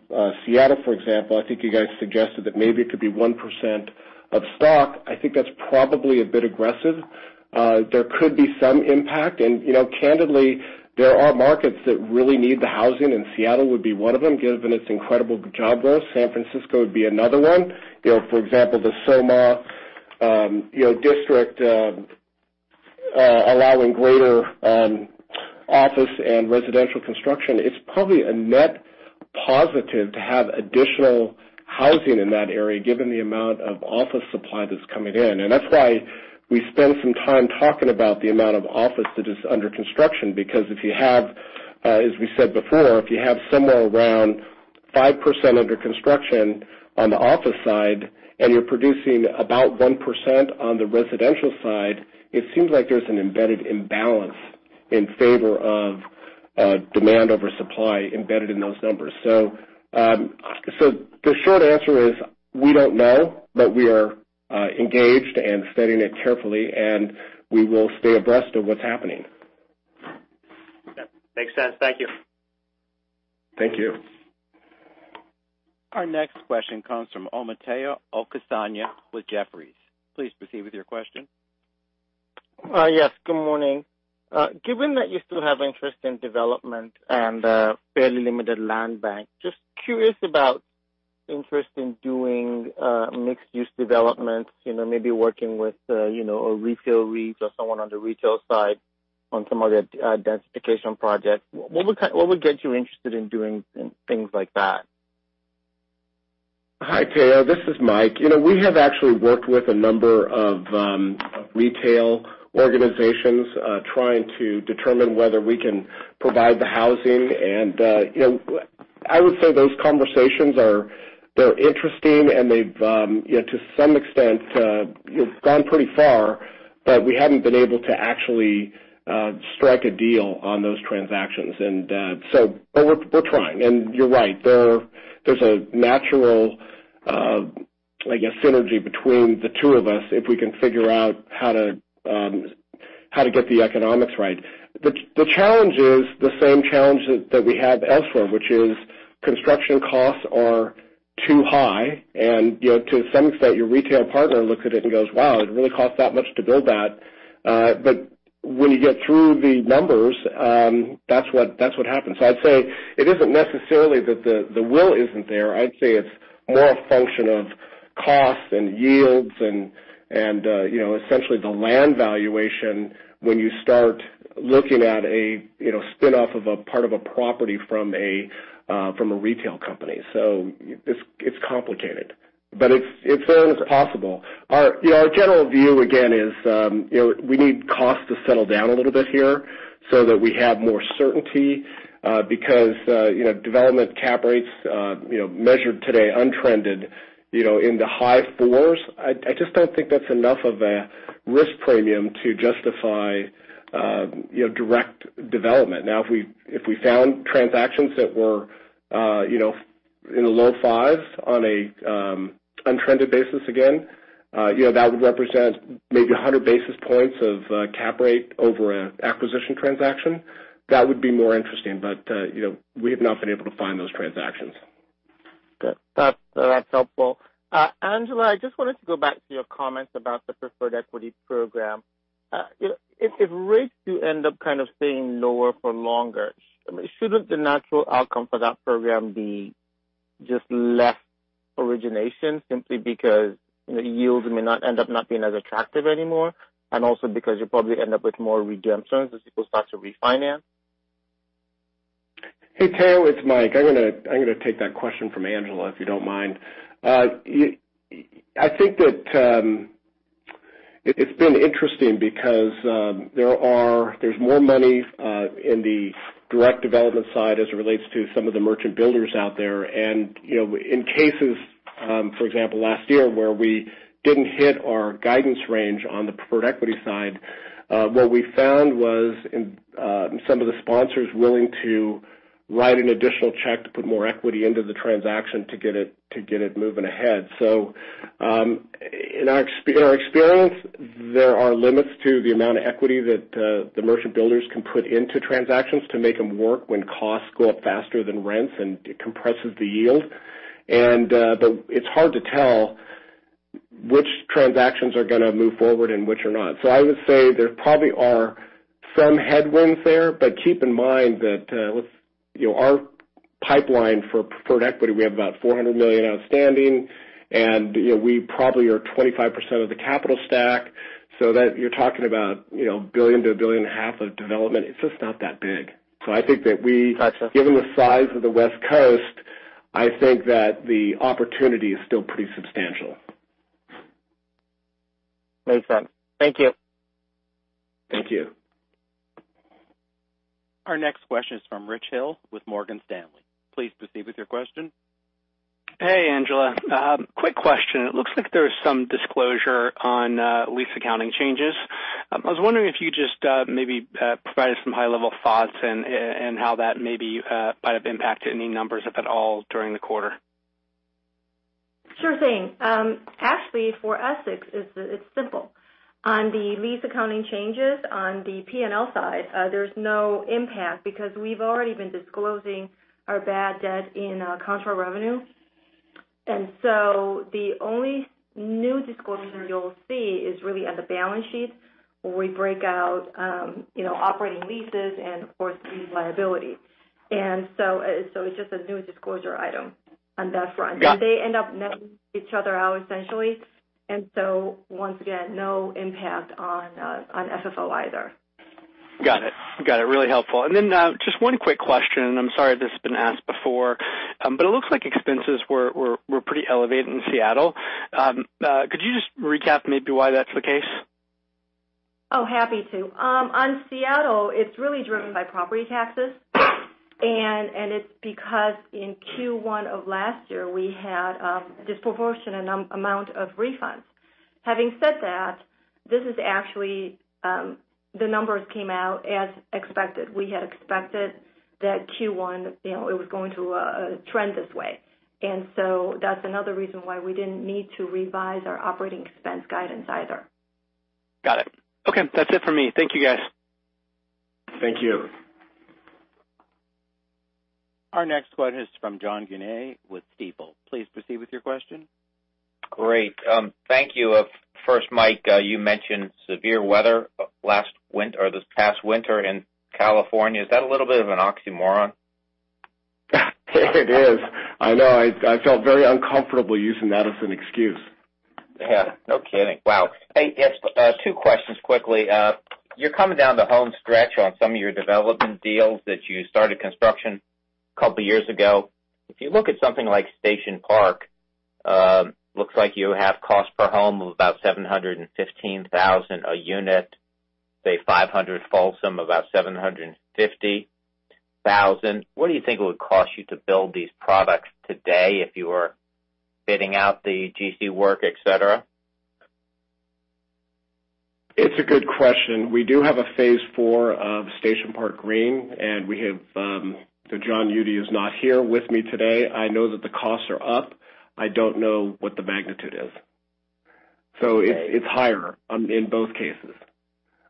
B: Seattle, for example, I think you guys suggested that maybe it could be 1% of stock. I think that's probably a bit aggressive. There could be some impact. Candidly, there are markets that really need the housing, and Seattle would be one of them given its incredible job growth. San Francisco would be another one. For example, the SoMa District, allowing greater office and residential construction. It's probably a net positive to have additional housing in that area given the amount of office supply that's coming in. That's why we spend some time talking about the amount of office that is under construction, because if you have, as we said before, if you have somewhere around 5% under construction on the office side and you're producing about 1% on the residential side, it seems like there's an embedded imbalance in favor of demand over supply embedded in those numbers. The short answer is we don't know, but we are engaged and studying it carefully, and we will stay abreast of what's happening.
N: Makes sense. Thank you.
B: Thank you.
A: Our next question comes from Omotayo Okusanya with Jefferies. Please proceed with your question.
O: Yes. Good morning. Given that you still have interest in development and a fairly limited land bank, just curious about interest in doing mixed-use developments, maybe working with a retail REIT or someone on the retail side on some of the densification projects. What would get you interested in doing things like that?
B: Hi, Omotayo. This is Mike. We have actually worked with a number of retail organizations, trying to determine whether we can provide the housing. I would say those conversations are interesting, and they've, to some extent, gone pretty far, but we haven't been able to actually strike a deal on those transactions. We're trying. You're right. There's a natural synergy between the two of us if we can figure out. How to get the economics right. The challenge is the same challenge that we have elsewhere, which is construction costs are too high and to some extent, your retail partner looks at it and goes, "Wow, it really costs that much to build that?" When you get through the numbers, that's what happens. I'd say it isn't necessarily that the will isn't there. I'd say it's more a function of cost and yields and essentially the land valuation when you start looking at a spin-off of a part of a property from a retail company. It's complicated, but it's possible. Our general view, again, is we need costs to settle down a little bit here so that we have more certainty, because development cap rates measured today untrended in the high fours, I just don't think that's enough of a risk premium to justify direct development. If we found transactions that were in the low fives on an untrended basis again, that would represent maybe 100 basis points of cap rate over an acquisition transaction. That would be more interesting, but we have not been able to find those transactions.
O: Good. That's helpful. Angela, I just wanted to go back to your comments about the preferred equity program. If rates do end up kind of staying lower for longer, shouldn't the natural outcome for that program be just less origination simply because yields may end up not being as attractive anymore, and also because you'll probably end up with more redemptions as people start to refinance?
B: Hey, Tao, it's Mike. I'm going to take that question from Angela, if you don't mind. It's been interesting because there's more money in the direct development side as it relates to some of the merchant builders out there. In cases, for example, last year, where we didn't hit our guidance range on the preferred equity side, what we found was some of the sponsors willing to write an additional check to put more equity into the transaction to get it moving ahead. In our experience, there are limits to the amount of equity that the merchant builders can put into transactions to make them work when costs go up faster than rents, and it compresses the yield. It's hard to tell which transactions are going to move forward and which are not. I would say there probably are some headwinds there, but keep in mind that our pipeline for preferred equity, we have about $400 million outstanding, and we probably are 25% of the capital stack, so that you're talking about $1 billion to $1.5 billion of development. It's just not that big. I think that we.
O: Got you.
B: Given the size of the West Coast, I think that the opportunity is still pretty substantial.
O: Makes sense. Thank you.
B: Thank you.
A: Our next question is from Rich Hill with Morgan Stanley. Please proceed with your question.
P: Hey, Angela. Quick question. It looks like there's some disclosure on lease accounting changes. I was wondering if you just maybe provide us some high-level thoughts and how that maybe might have impacted any numbers, if at all, during the quarter.
D: Sure thing. Actually, for us, it's simple. On the lease accounting changes on the P&L side, there's no impact because we've already been disclosing our bad debt in contract revenue. The only new disclosure you'll see is really on the balance sheet where we break out operating leases and, of course, lease liability. It's just a new disclosure item on that front.
P: Got it.
D: They end up netting each other out essentially. Once again, no impact on FFO either.
P: Got it. Really helpful. Just one quick question, and I'm sorry if this has been asked before, but it looks like expenses were pretty elevated in Seattle. Could you just recap maybe why that's the case?
D: Happy to. On Seattle, it's really driven by property taxes, and it's because in Q1 of last year, we had a disproportionate amount of refunds. Having said that, the numbers came out as expected. We had expected that Q1, it was going to trend this way. That's another reason why we didn't need to revise our operating expense guidance either.
P: Got it. Okay. That's it for me. Thank you, guys.
B: Thank you.
A: Our next question is from John Guinee with Stifel. Please proceed with your question.
Q: Great. Thank you. First, Mike, you mentioned severe weather this past winter in California. Is that a little bit of an oxymoron?
B: It is. I know. I felt very uncomfortable using that as an excuse.
Q: No kidding. Wow. Hey, yes. Two questions quickly. You're coming down the home stretch on some of your development deals that you started construction a couple of years ago. If you look at something like Station Park, looks like you have cost per home of about $715,000 a unit, say 500 Folsom, about $750,000. What do you think it would cost you to build these products today if you were bidding out the GC work, et cetera?
B: It's a good question. We do have a phase 4 of Station Park Green. John Eudy is not here with me today. I know that the costs are up. I don't know what the magnitude is. It's higher in both cases.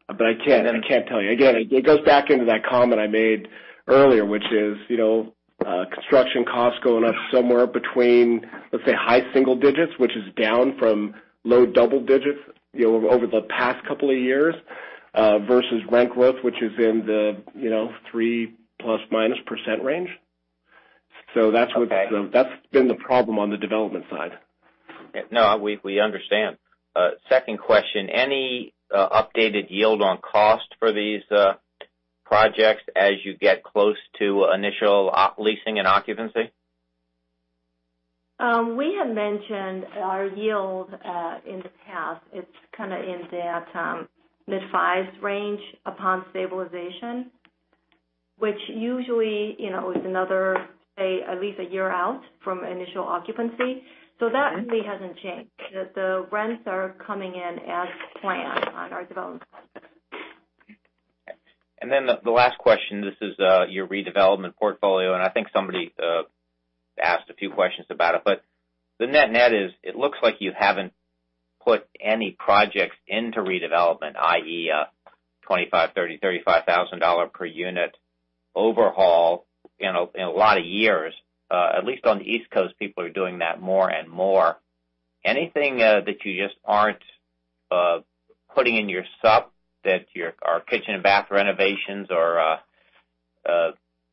B: I can't tell you. Again, it goes back into that comment I made earlier, which is, construction costs going up somewhere between, let's say, high single digits, which is down from low double digits over the past couple of years, versus rent growth, which is in the 3 plus, minus % range.
Q: Okay.
B: That's been the problem on the development side.
Q: No, we understand. Second question, any updated yield on cost for these projects as you get close to initial leasing and occupancy?
D: We have mentioned our yield in the past. It's kind of in that mid-fives range upon stabilization, which usually is another, say, at least a year out from initial occupancy.
Q: Okay.
D: That really hasn't changed, that the rents are coming in as planned on our development.
Q: The last question, this is your redevelopment portfolio, and I think somebody asked a few questions about it, but the net-net is it looks like you haven't put any projects into redevelopment, i.e., a 25, 30, $35,000 per unit overhaul in a lot of years. At least on the East Coast, people are doing that more and more. Anything that you just aren't putting in your sup that your kitchen and bath renovations or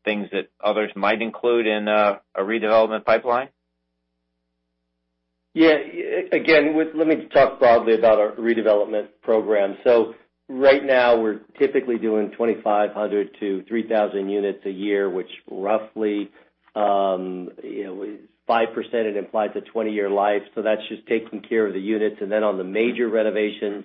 Q: things that others might include in a redevelopment pipeline?
C: Again, let me talk broadly about our redevelopment program. Right now, we're typically doing 2,500 to 3,000 units a year, which roughly, 5% it implies a 20-year life. That's just taking care of the units. On the major renovations,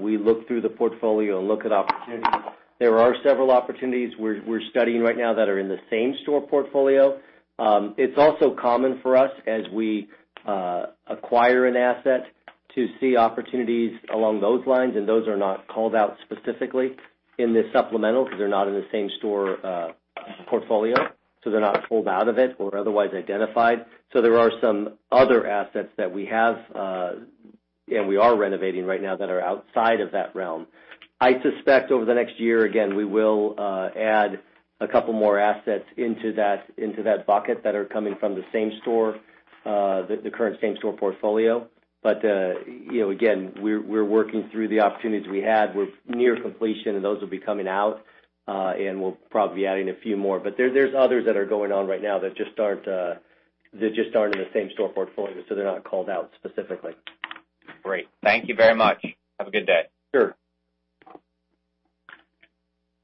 C: we look through the portfolio and look at opportunities. There are several opportunities we're studying right now that are in the same-store portfolio. It's also common for us as we acquire an asset to see opportunities along those lines, and those are not called out specifically in this supplemental because they're not in the same-store portfolio, so they're not pulled out of it or otherwise identified. There are some other assets that we have, and we are renovating right now that are outside of that realm. I suspect over the next year, again, we will add a couple more assets into that bucket that are coming from the current same-store portfolio. Again, we're working through the opportunities we had. We're near completion, and those will be coming out. We'll probably be adding a few more. There's others that are going on right now that just aren't in the same-store portfolio, so they're not called out specifically.
Q: Great. Thank you very much. Have a good day.
C: Sure.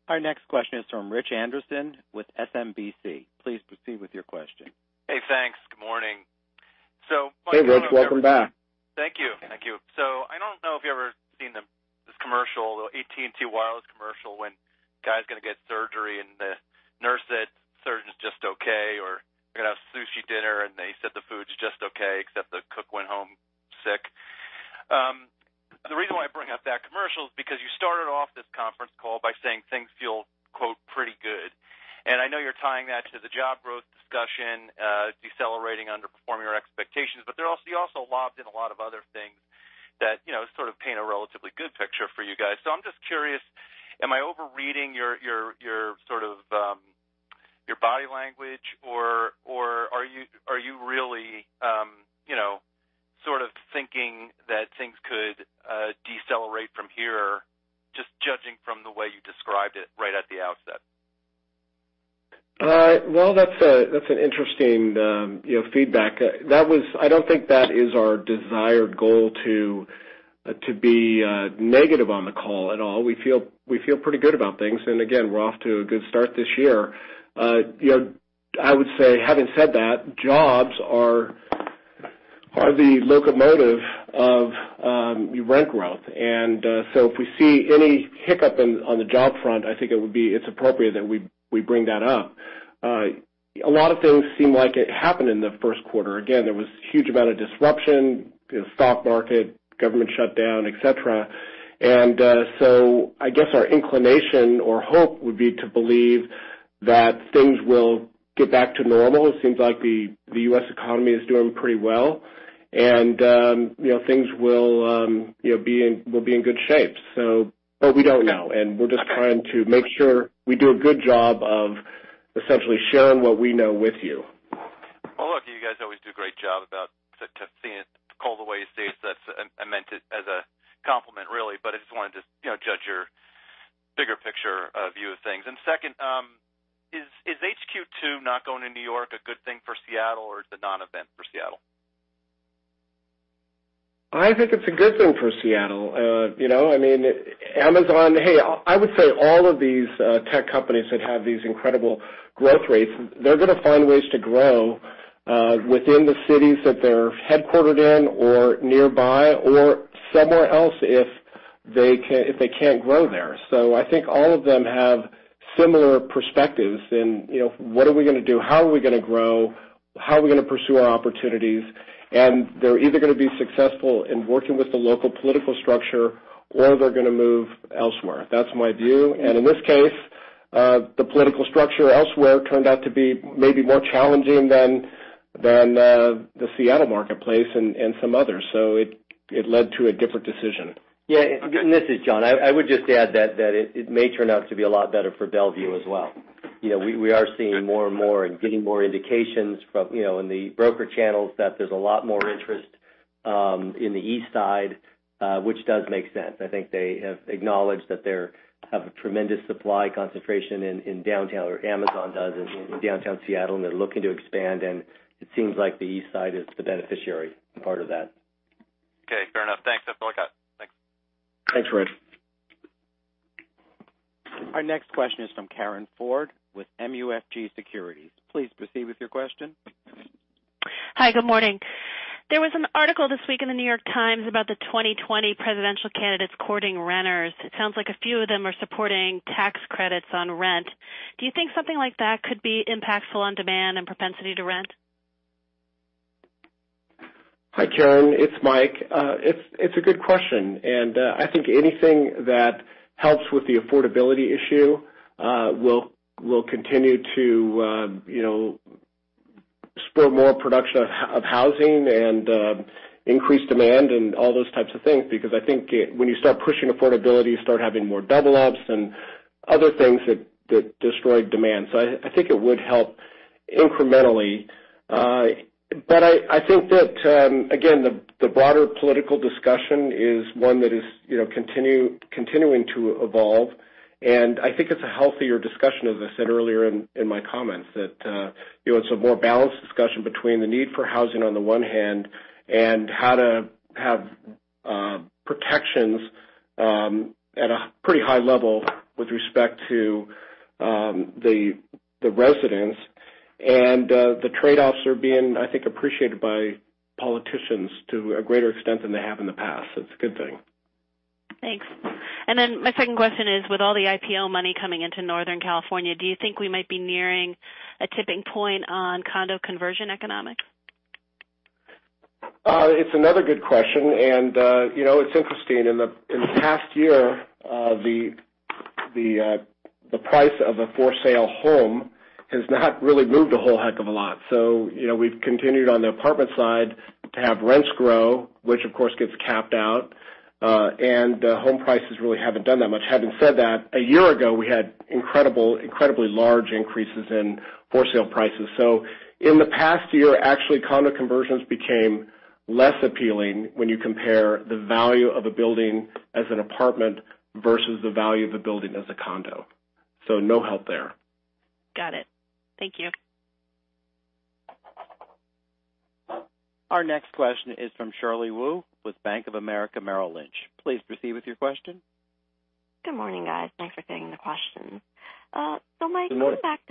A: Our next question is from Richard Anderson with SMBC. Please proceed with your question.
R: Hey, thanks. Good morning.
B: Hey, Rich. Welcome back.
R: Thank you. I don't know if you've ever seen this commercial, the AT&T Wireless commercial when guy's going to get surgery and the nurse said surgeon's just okay, or going to have sushi dinner, and they said the food's just okay, except the cook went home sick. The reason why I bring up that commercial is because you started off this conference call by saying things feel, quote, "pretty good." I know you're tying that to the job growth discussion, decelerating, underperforming your expectations. You also lobbed in a lot of other things that sort of paint a relatively good picture for you guys. I'm just curious, am I overreading your body language, or are you really sort of thinking that things could decelerate from here, just judging from the way you described it right at the outset?
B: Well, that's an interesting feedback. I don't think that is our desired goal to be negative on the call at all. We feel pretty good about things. Again, we're off to a good start this year. I would say, having said that, jobs are the locomotive of rent growth. If we see any hiccup on the job front, I think it's appropriate that we bring that up. A lot of things seem like it happened in the first quarter. Again, there was huge amount of disruption, stock market, government shutdown, et cetera. I guess our inclination or hope would be to believe that things will get back to normal. It seems like the U.S. economy is doing pretty well, and things will be in good shape. We don't know, and we're just trying to make sure we do a good job of essentially sharing what we know with you.
R: Well, look, you guys always do a great job about seeing it, call the way it is. I meant it as a compliment, really, but I just wanted to judge your bigger picture view of things. Second, is HQ2 not going to New York a good thing for Seattle, or is it a non-event for Seattle?
B: I think it's a good thing for Seattle. Amazon, hey, I would say all of these tech companies that have these incredible growth rates, they're going to find ways to grow within the cities that they're headquartered in or nearby or somewhere else if they can't grow there. I think all of them have similar perspectives in what are we going to do? How are we going to grow? How are we going to pursue our opportunities? They're either going to be successful in working with the local political structure, or they're going to move elsewhere. That's my view. The political structure elsewhere turned out to be maybe more challenging than the Seattle marketplace and some others. It led to a different decision.
C: Yeah. This is John. I would just add that it may turn out to be a lot better for Bellevue as well. We are seeing more and more and getting more indications in the broker channels that there's a lot more interest in the east side, which does make sense. I think they have acknowledged that they have a tremendous supply concentration in downtown, or Amazon does in downtown Seattle, they're looking to expand, and it seems like the east side is the beneficiary part of that.
R: Okay, fair enough. Thanks, that's all I got. Thanks.
B: Thanks, Rich.
A: Our next question is from Karin Ford with MUFG Securities. Please proceed with your question.
S: Hi, good morning. There was an article this week in The New York Times about the 2020 presidential candidates courting renters. It sounds like a few of them are supporting tax credits on rent. Do you think something like that could be impactful on demand and propensity to rent?
B: Hi, Karin. It's Mike. It's a good question. I think anything that helps with the affordability issue will continue to spur more production of housing and increase demand and all those types of things. I think when you start pushing affordability, you start having more double ups and other things that destroy demand. I think it would help incrementally. I think that, again, the broader political discussion is one that is continuing to evolve. I think it's a healthier discussion, as I said earlier in my comments that it's a more balanced discussion between the need for housing on the one hand and how to have protections at a pretty high level with respect to the residents. The trade-offs are being, I think, appreciated by politicians to a greater extent than they have in the past. It's a good thing.
S: Thanks. My second question is, with all the IPO money coming into Northern California, do you think we might be nearing a tipping point on condo conversion economics?
B: It's another good question. It's interesting. In the past year, the price of a for-sale home has not really moved a whole heck of a lot. We've continued on the apartment side to have rents grow, which of course, gets capped out. Home prices really haven't done that much. Having said that, a year ago, we had incredibly large increases in for-sale prices. In the past year, actually, condo conversions became less appealing when you compare the value of a building as an apartment versus the value of a building as a condo. No help there.
S: Got it. Thank you.
A: Our next question is from Shirley Wu with Bank of America Merrill Lynch. Please proceed with your question.
T: Good morning, guys. Thanks for taking the questions.
B: Good morning.
T: Mike,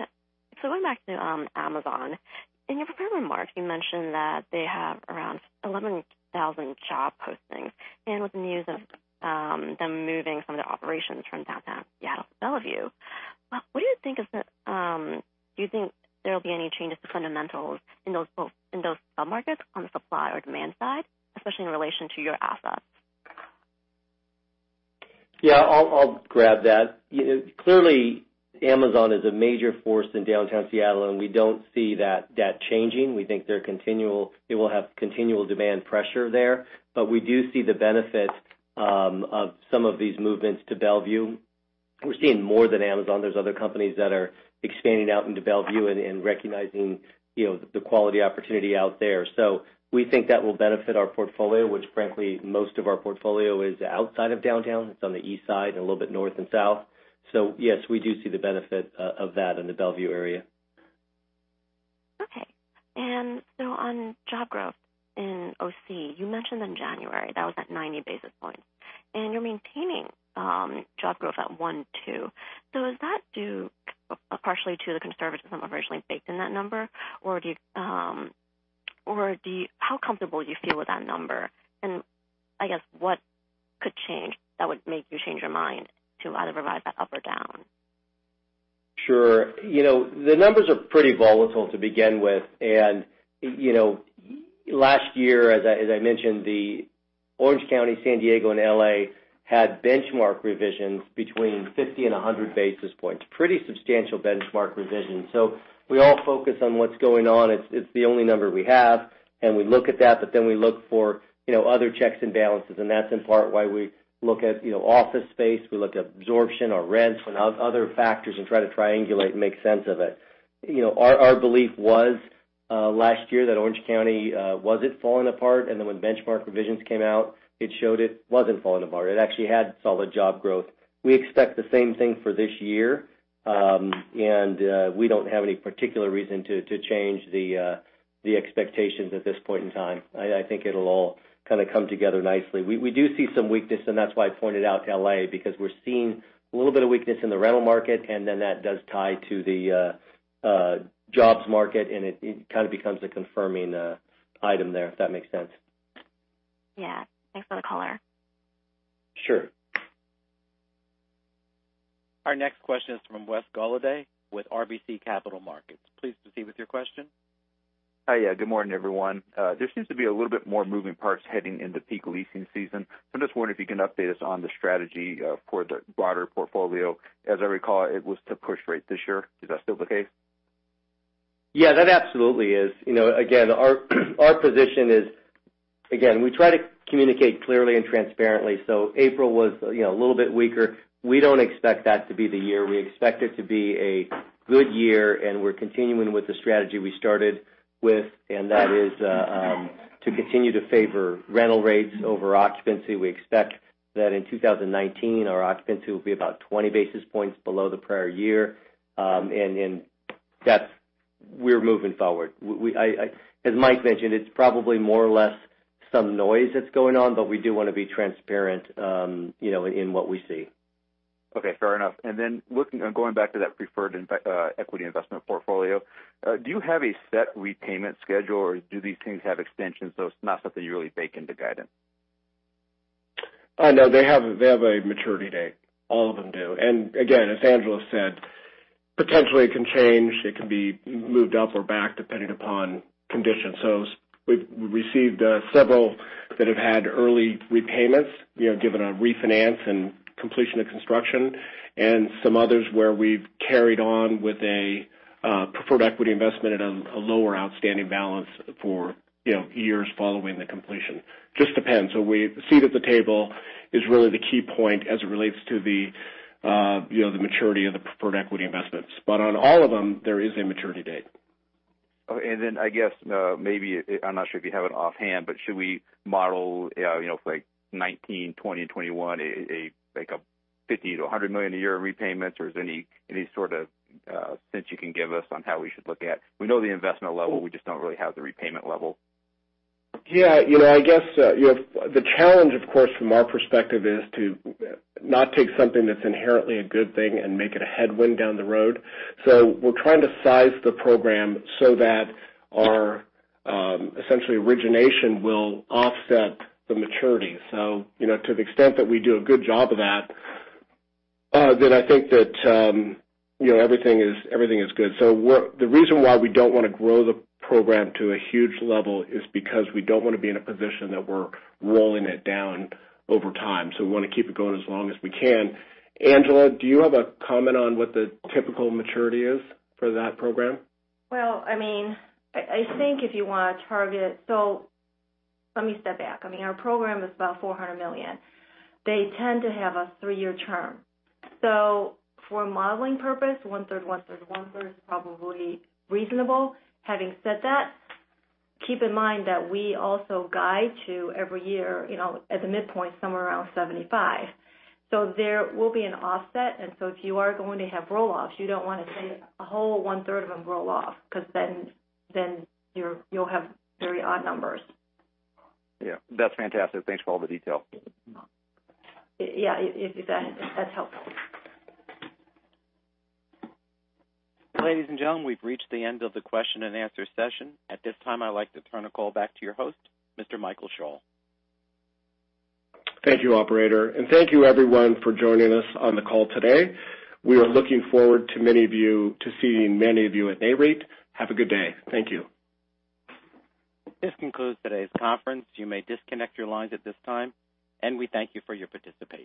T: going back to Amazon, in your prepared remarks, you mentioned that they have around 11,000 job postings. With news of them moving some of the operations from downtown Seattle to Bellevue, do you think there will be any changes to fundamentals in those sub-markets on the supply or demand side, especially in relation to your assets?
C: Yeah, I'll grab that. Clearly, Amazon is a major force in downtown Seattle, we don't see that changing. We think they will have continual demand pressure there. We do see the benefit of some of these movements to Bellevue. We're seeing more than Amazon. There's other companies that are expanding out into Bellevue and recognizing the quality opportunity out there. We think that will benefit our portfolio, which frankly, most of our portfolio is outside of downtown. It's on the east side and a little bit north and south. Yes, we do see the benefit of that in the Bellevue area.
T: Okay. On job growth in OC, you mentioned in January, that was at 90 basis points, and you're maintaining job growth at 1.2. Is that due partially to the conservatism originally baked in that number, or how comfortable do you feel with that number? I guess what could change that would make you change your mind to either revise that up or down?
C: Sure. The numbers are pretty volatile, to begin with, last year, as I mentioned, the Orange County, San Diego, and L.A. had benchmark revisions between 50 and 100 basis points. Pretty substantial benchmark revisions. We all focus on what's going on. It's the only number we have, we look at that, we look for other checks and balances, that's in part why we look at office space. We look at absorption or rents and other factors and try to triangulate and make sense of it. Our belief was last year that Orange County wasn't falling apart, when benchmark revisions came out, it showed it wasn't falling apart. It actually had solid job growth. We expect the same thing for this year. We don't have any particular reason to change the expectations at this point in time. I think it'll all kind of come together nicely. We do see some weakness, that's why I pointed out to L.A., because we're seeing a little bit of weakness in the rental market, that does tie to the jobs market, it kind of becomes a confirming item there, if that makes sense.
T: Thanks for the color.
C: Sure.
A: Our next question is from Wes Golladay with RBC Capital Markets. Please proceed with your question.
U: Hi. Good morning, everyone. There seems to be a little bit more moving parts heading into peak leasing season. I'm just wondering if you can update us on the strategy for the broader portfolio. As I recall, it was to push rates this year. Is that still the case?
C: That absolutely is. Again, our position is, we try to communicate clearly and transparently. April was a little bit weaker. We don't expect that to be the year. We expect it to be a good year, and we're continuing with the strategy we started with, and that is to continue to favor rental rates over occupancy. We expect that in 2019, our occupancy will be about 20 basis points below the prior year. In that, we're moving forward. As Mike mentioned, it's probably more or less some noise that's going on, but we do want to be transparent in what we see.
U: Okay, fair enough. Going back to that preferred equity investment portfolio, do you have a set repayment schedule, or do these things have extensions, so it's not something you really bake into guidance?
B: No, they have a maturity date. All of them do. Again, as Angela said, potentially it can change. It can be moved up or back, depending upon conditions. We've received several that have had early repayments, given a refinance and completion of construction, and some others where we've carried on with a preferred equity investment at a lower outstanding balance for years following the completion. Just depends. A seat at the table is really the key point as it relates to the maturity of the preferred equity investments. On all of them, there is a maturity date.
U: Okay, I guess, maybe, I'm not sure if you have it offhand, but should we model for 2019, 2020, and 2021, like a $50 million-$100 million a year repayments, or is there any sort of sense you can give us on how we should look at? We know the investment level, we just don't really have the repayment level.
B: Yeah. I guess, the challenge, of course, from our perspective, is to not take something that's inherently a good thing and make it a headwind down the road. We're trying to size the program so that our essentially origination will offset the maturity. To the extent that we do a good job of that, I think that everything is good. The reason why we don't want to grow the program to a huge level is because we don't want to be in a position that we're rolling it down over time. We want to keep it going as long as we can. Angela, do you have a comment on what the typical maturity is for that program?
D: Well, I think if you want to target, let me step back. Our program is about $400 million. They tend to have a three-year term. For modeling purpose, one-third, one-third, one-third is probably reasonable. Having said that, keep in mind that we also guide to every year, at the midpoint, somewhere around $75. There will be an offset, if you are going to have roll-offs, you don't want to say a whole one-third of them roll off, because then you'll have very odd numbers.
U: Yeah. That's fantastic. Thanks for all the detail.
D: Yeah. If that's helpful.
A: Ladies and gentlemen, we've reached the end of the question and answer session. At this time, I'd like to turn the call back to your host, Mr. Michael Schall.
B: Thank you, operator, and thank you everyone for joining us on the call today. We are looking forward to seeing many of you at Nareit. Have a good day. Thank you.
A: This concludes today's conference. You may disconnect your lines at this time, and we thank you for your participation.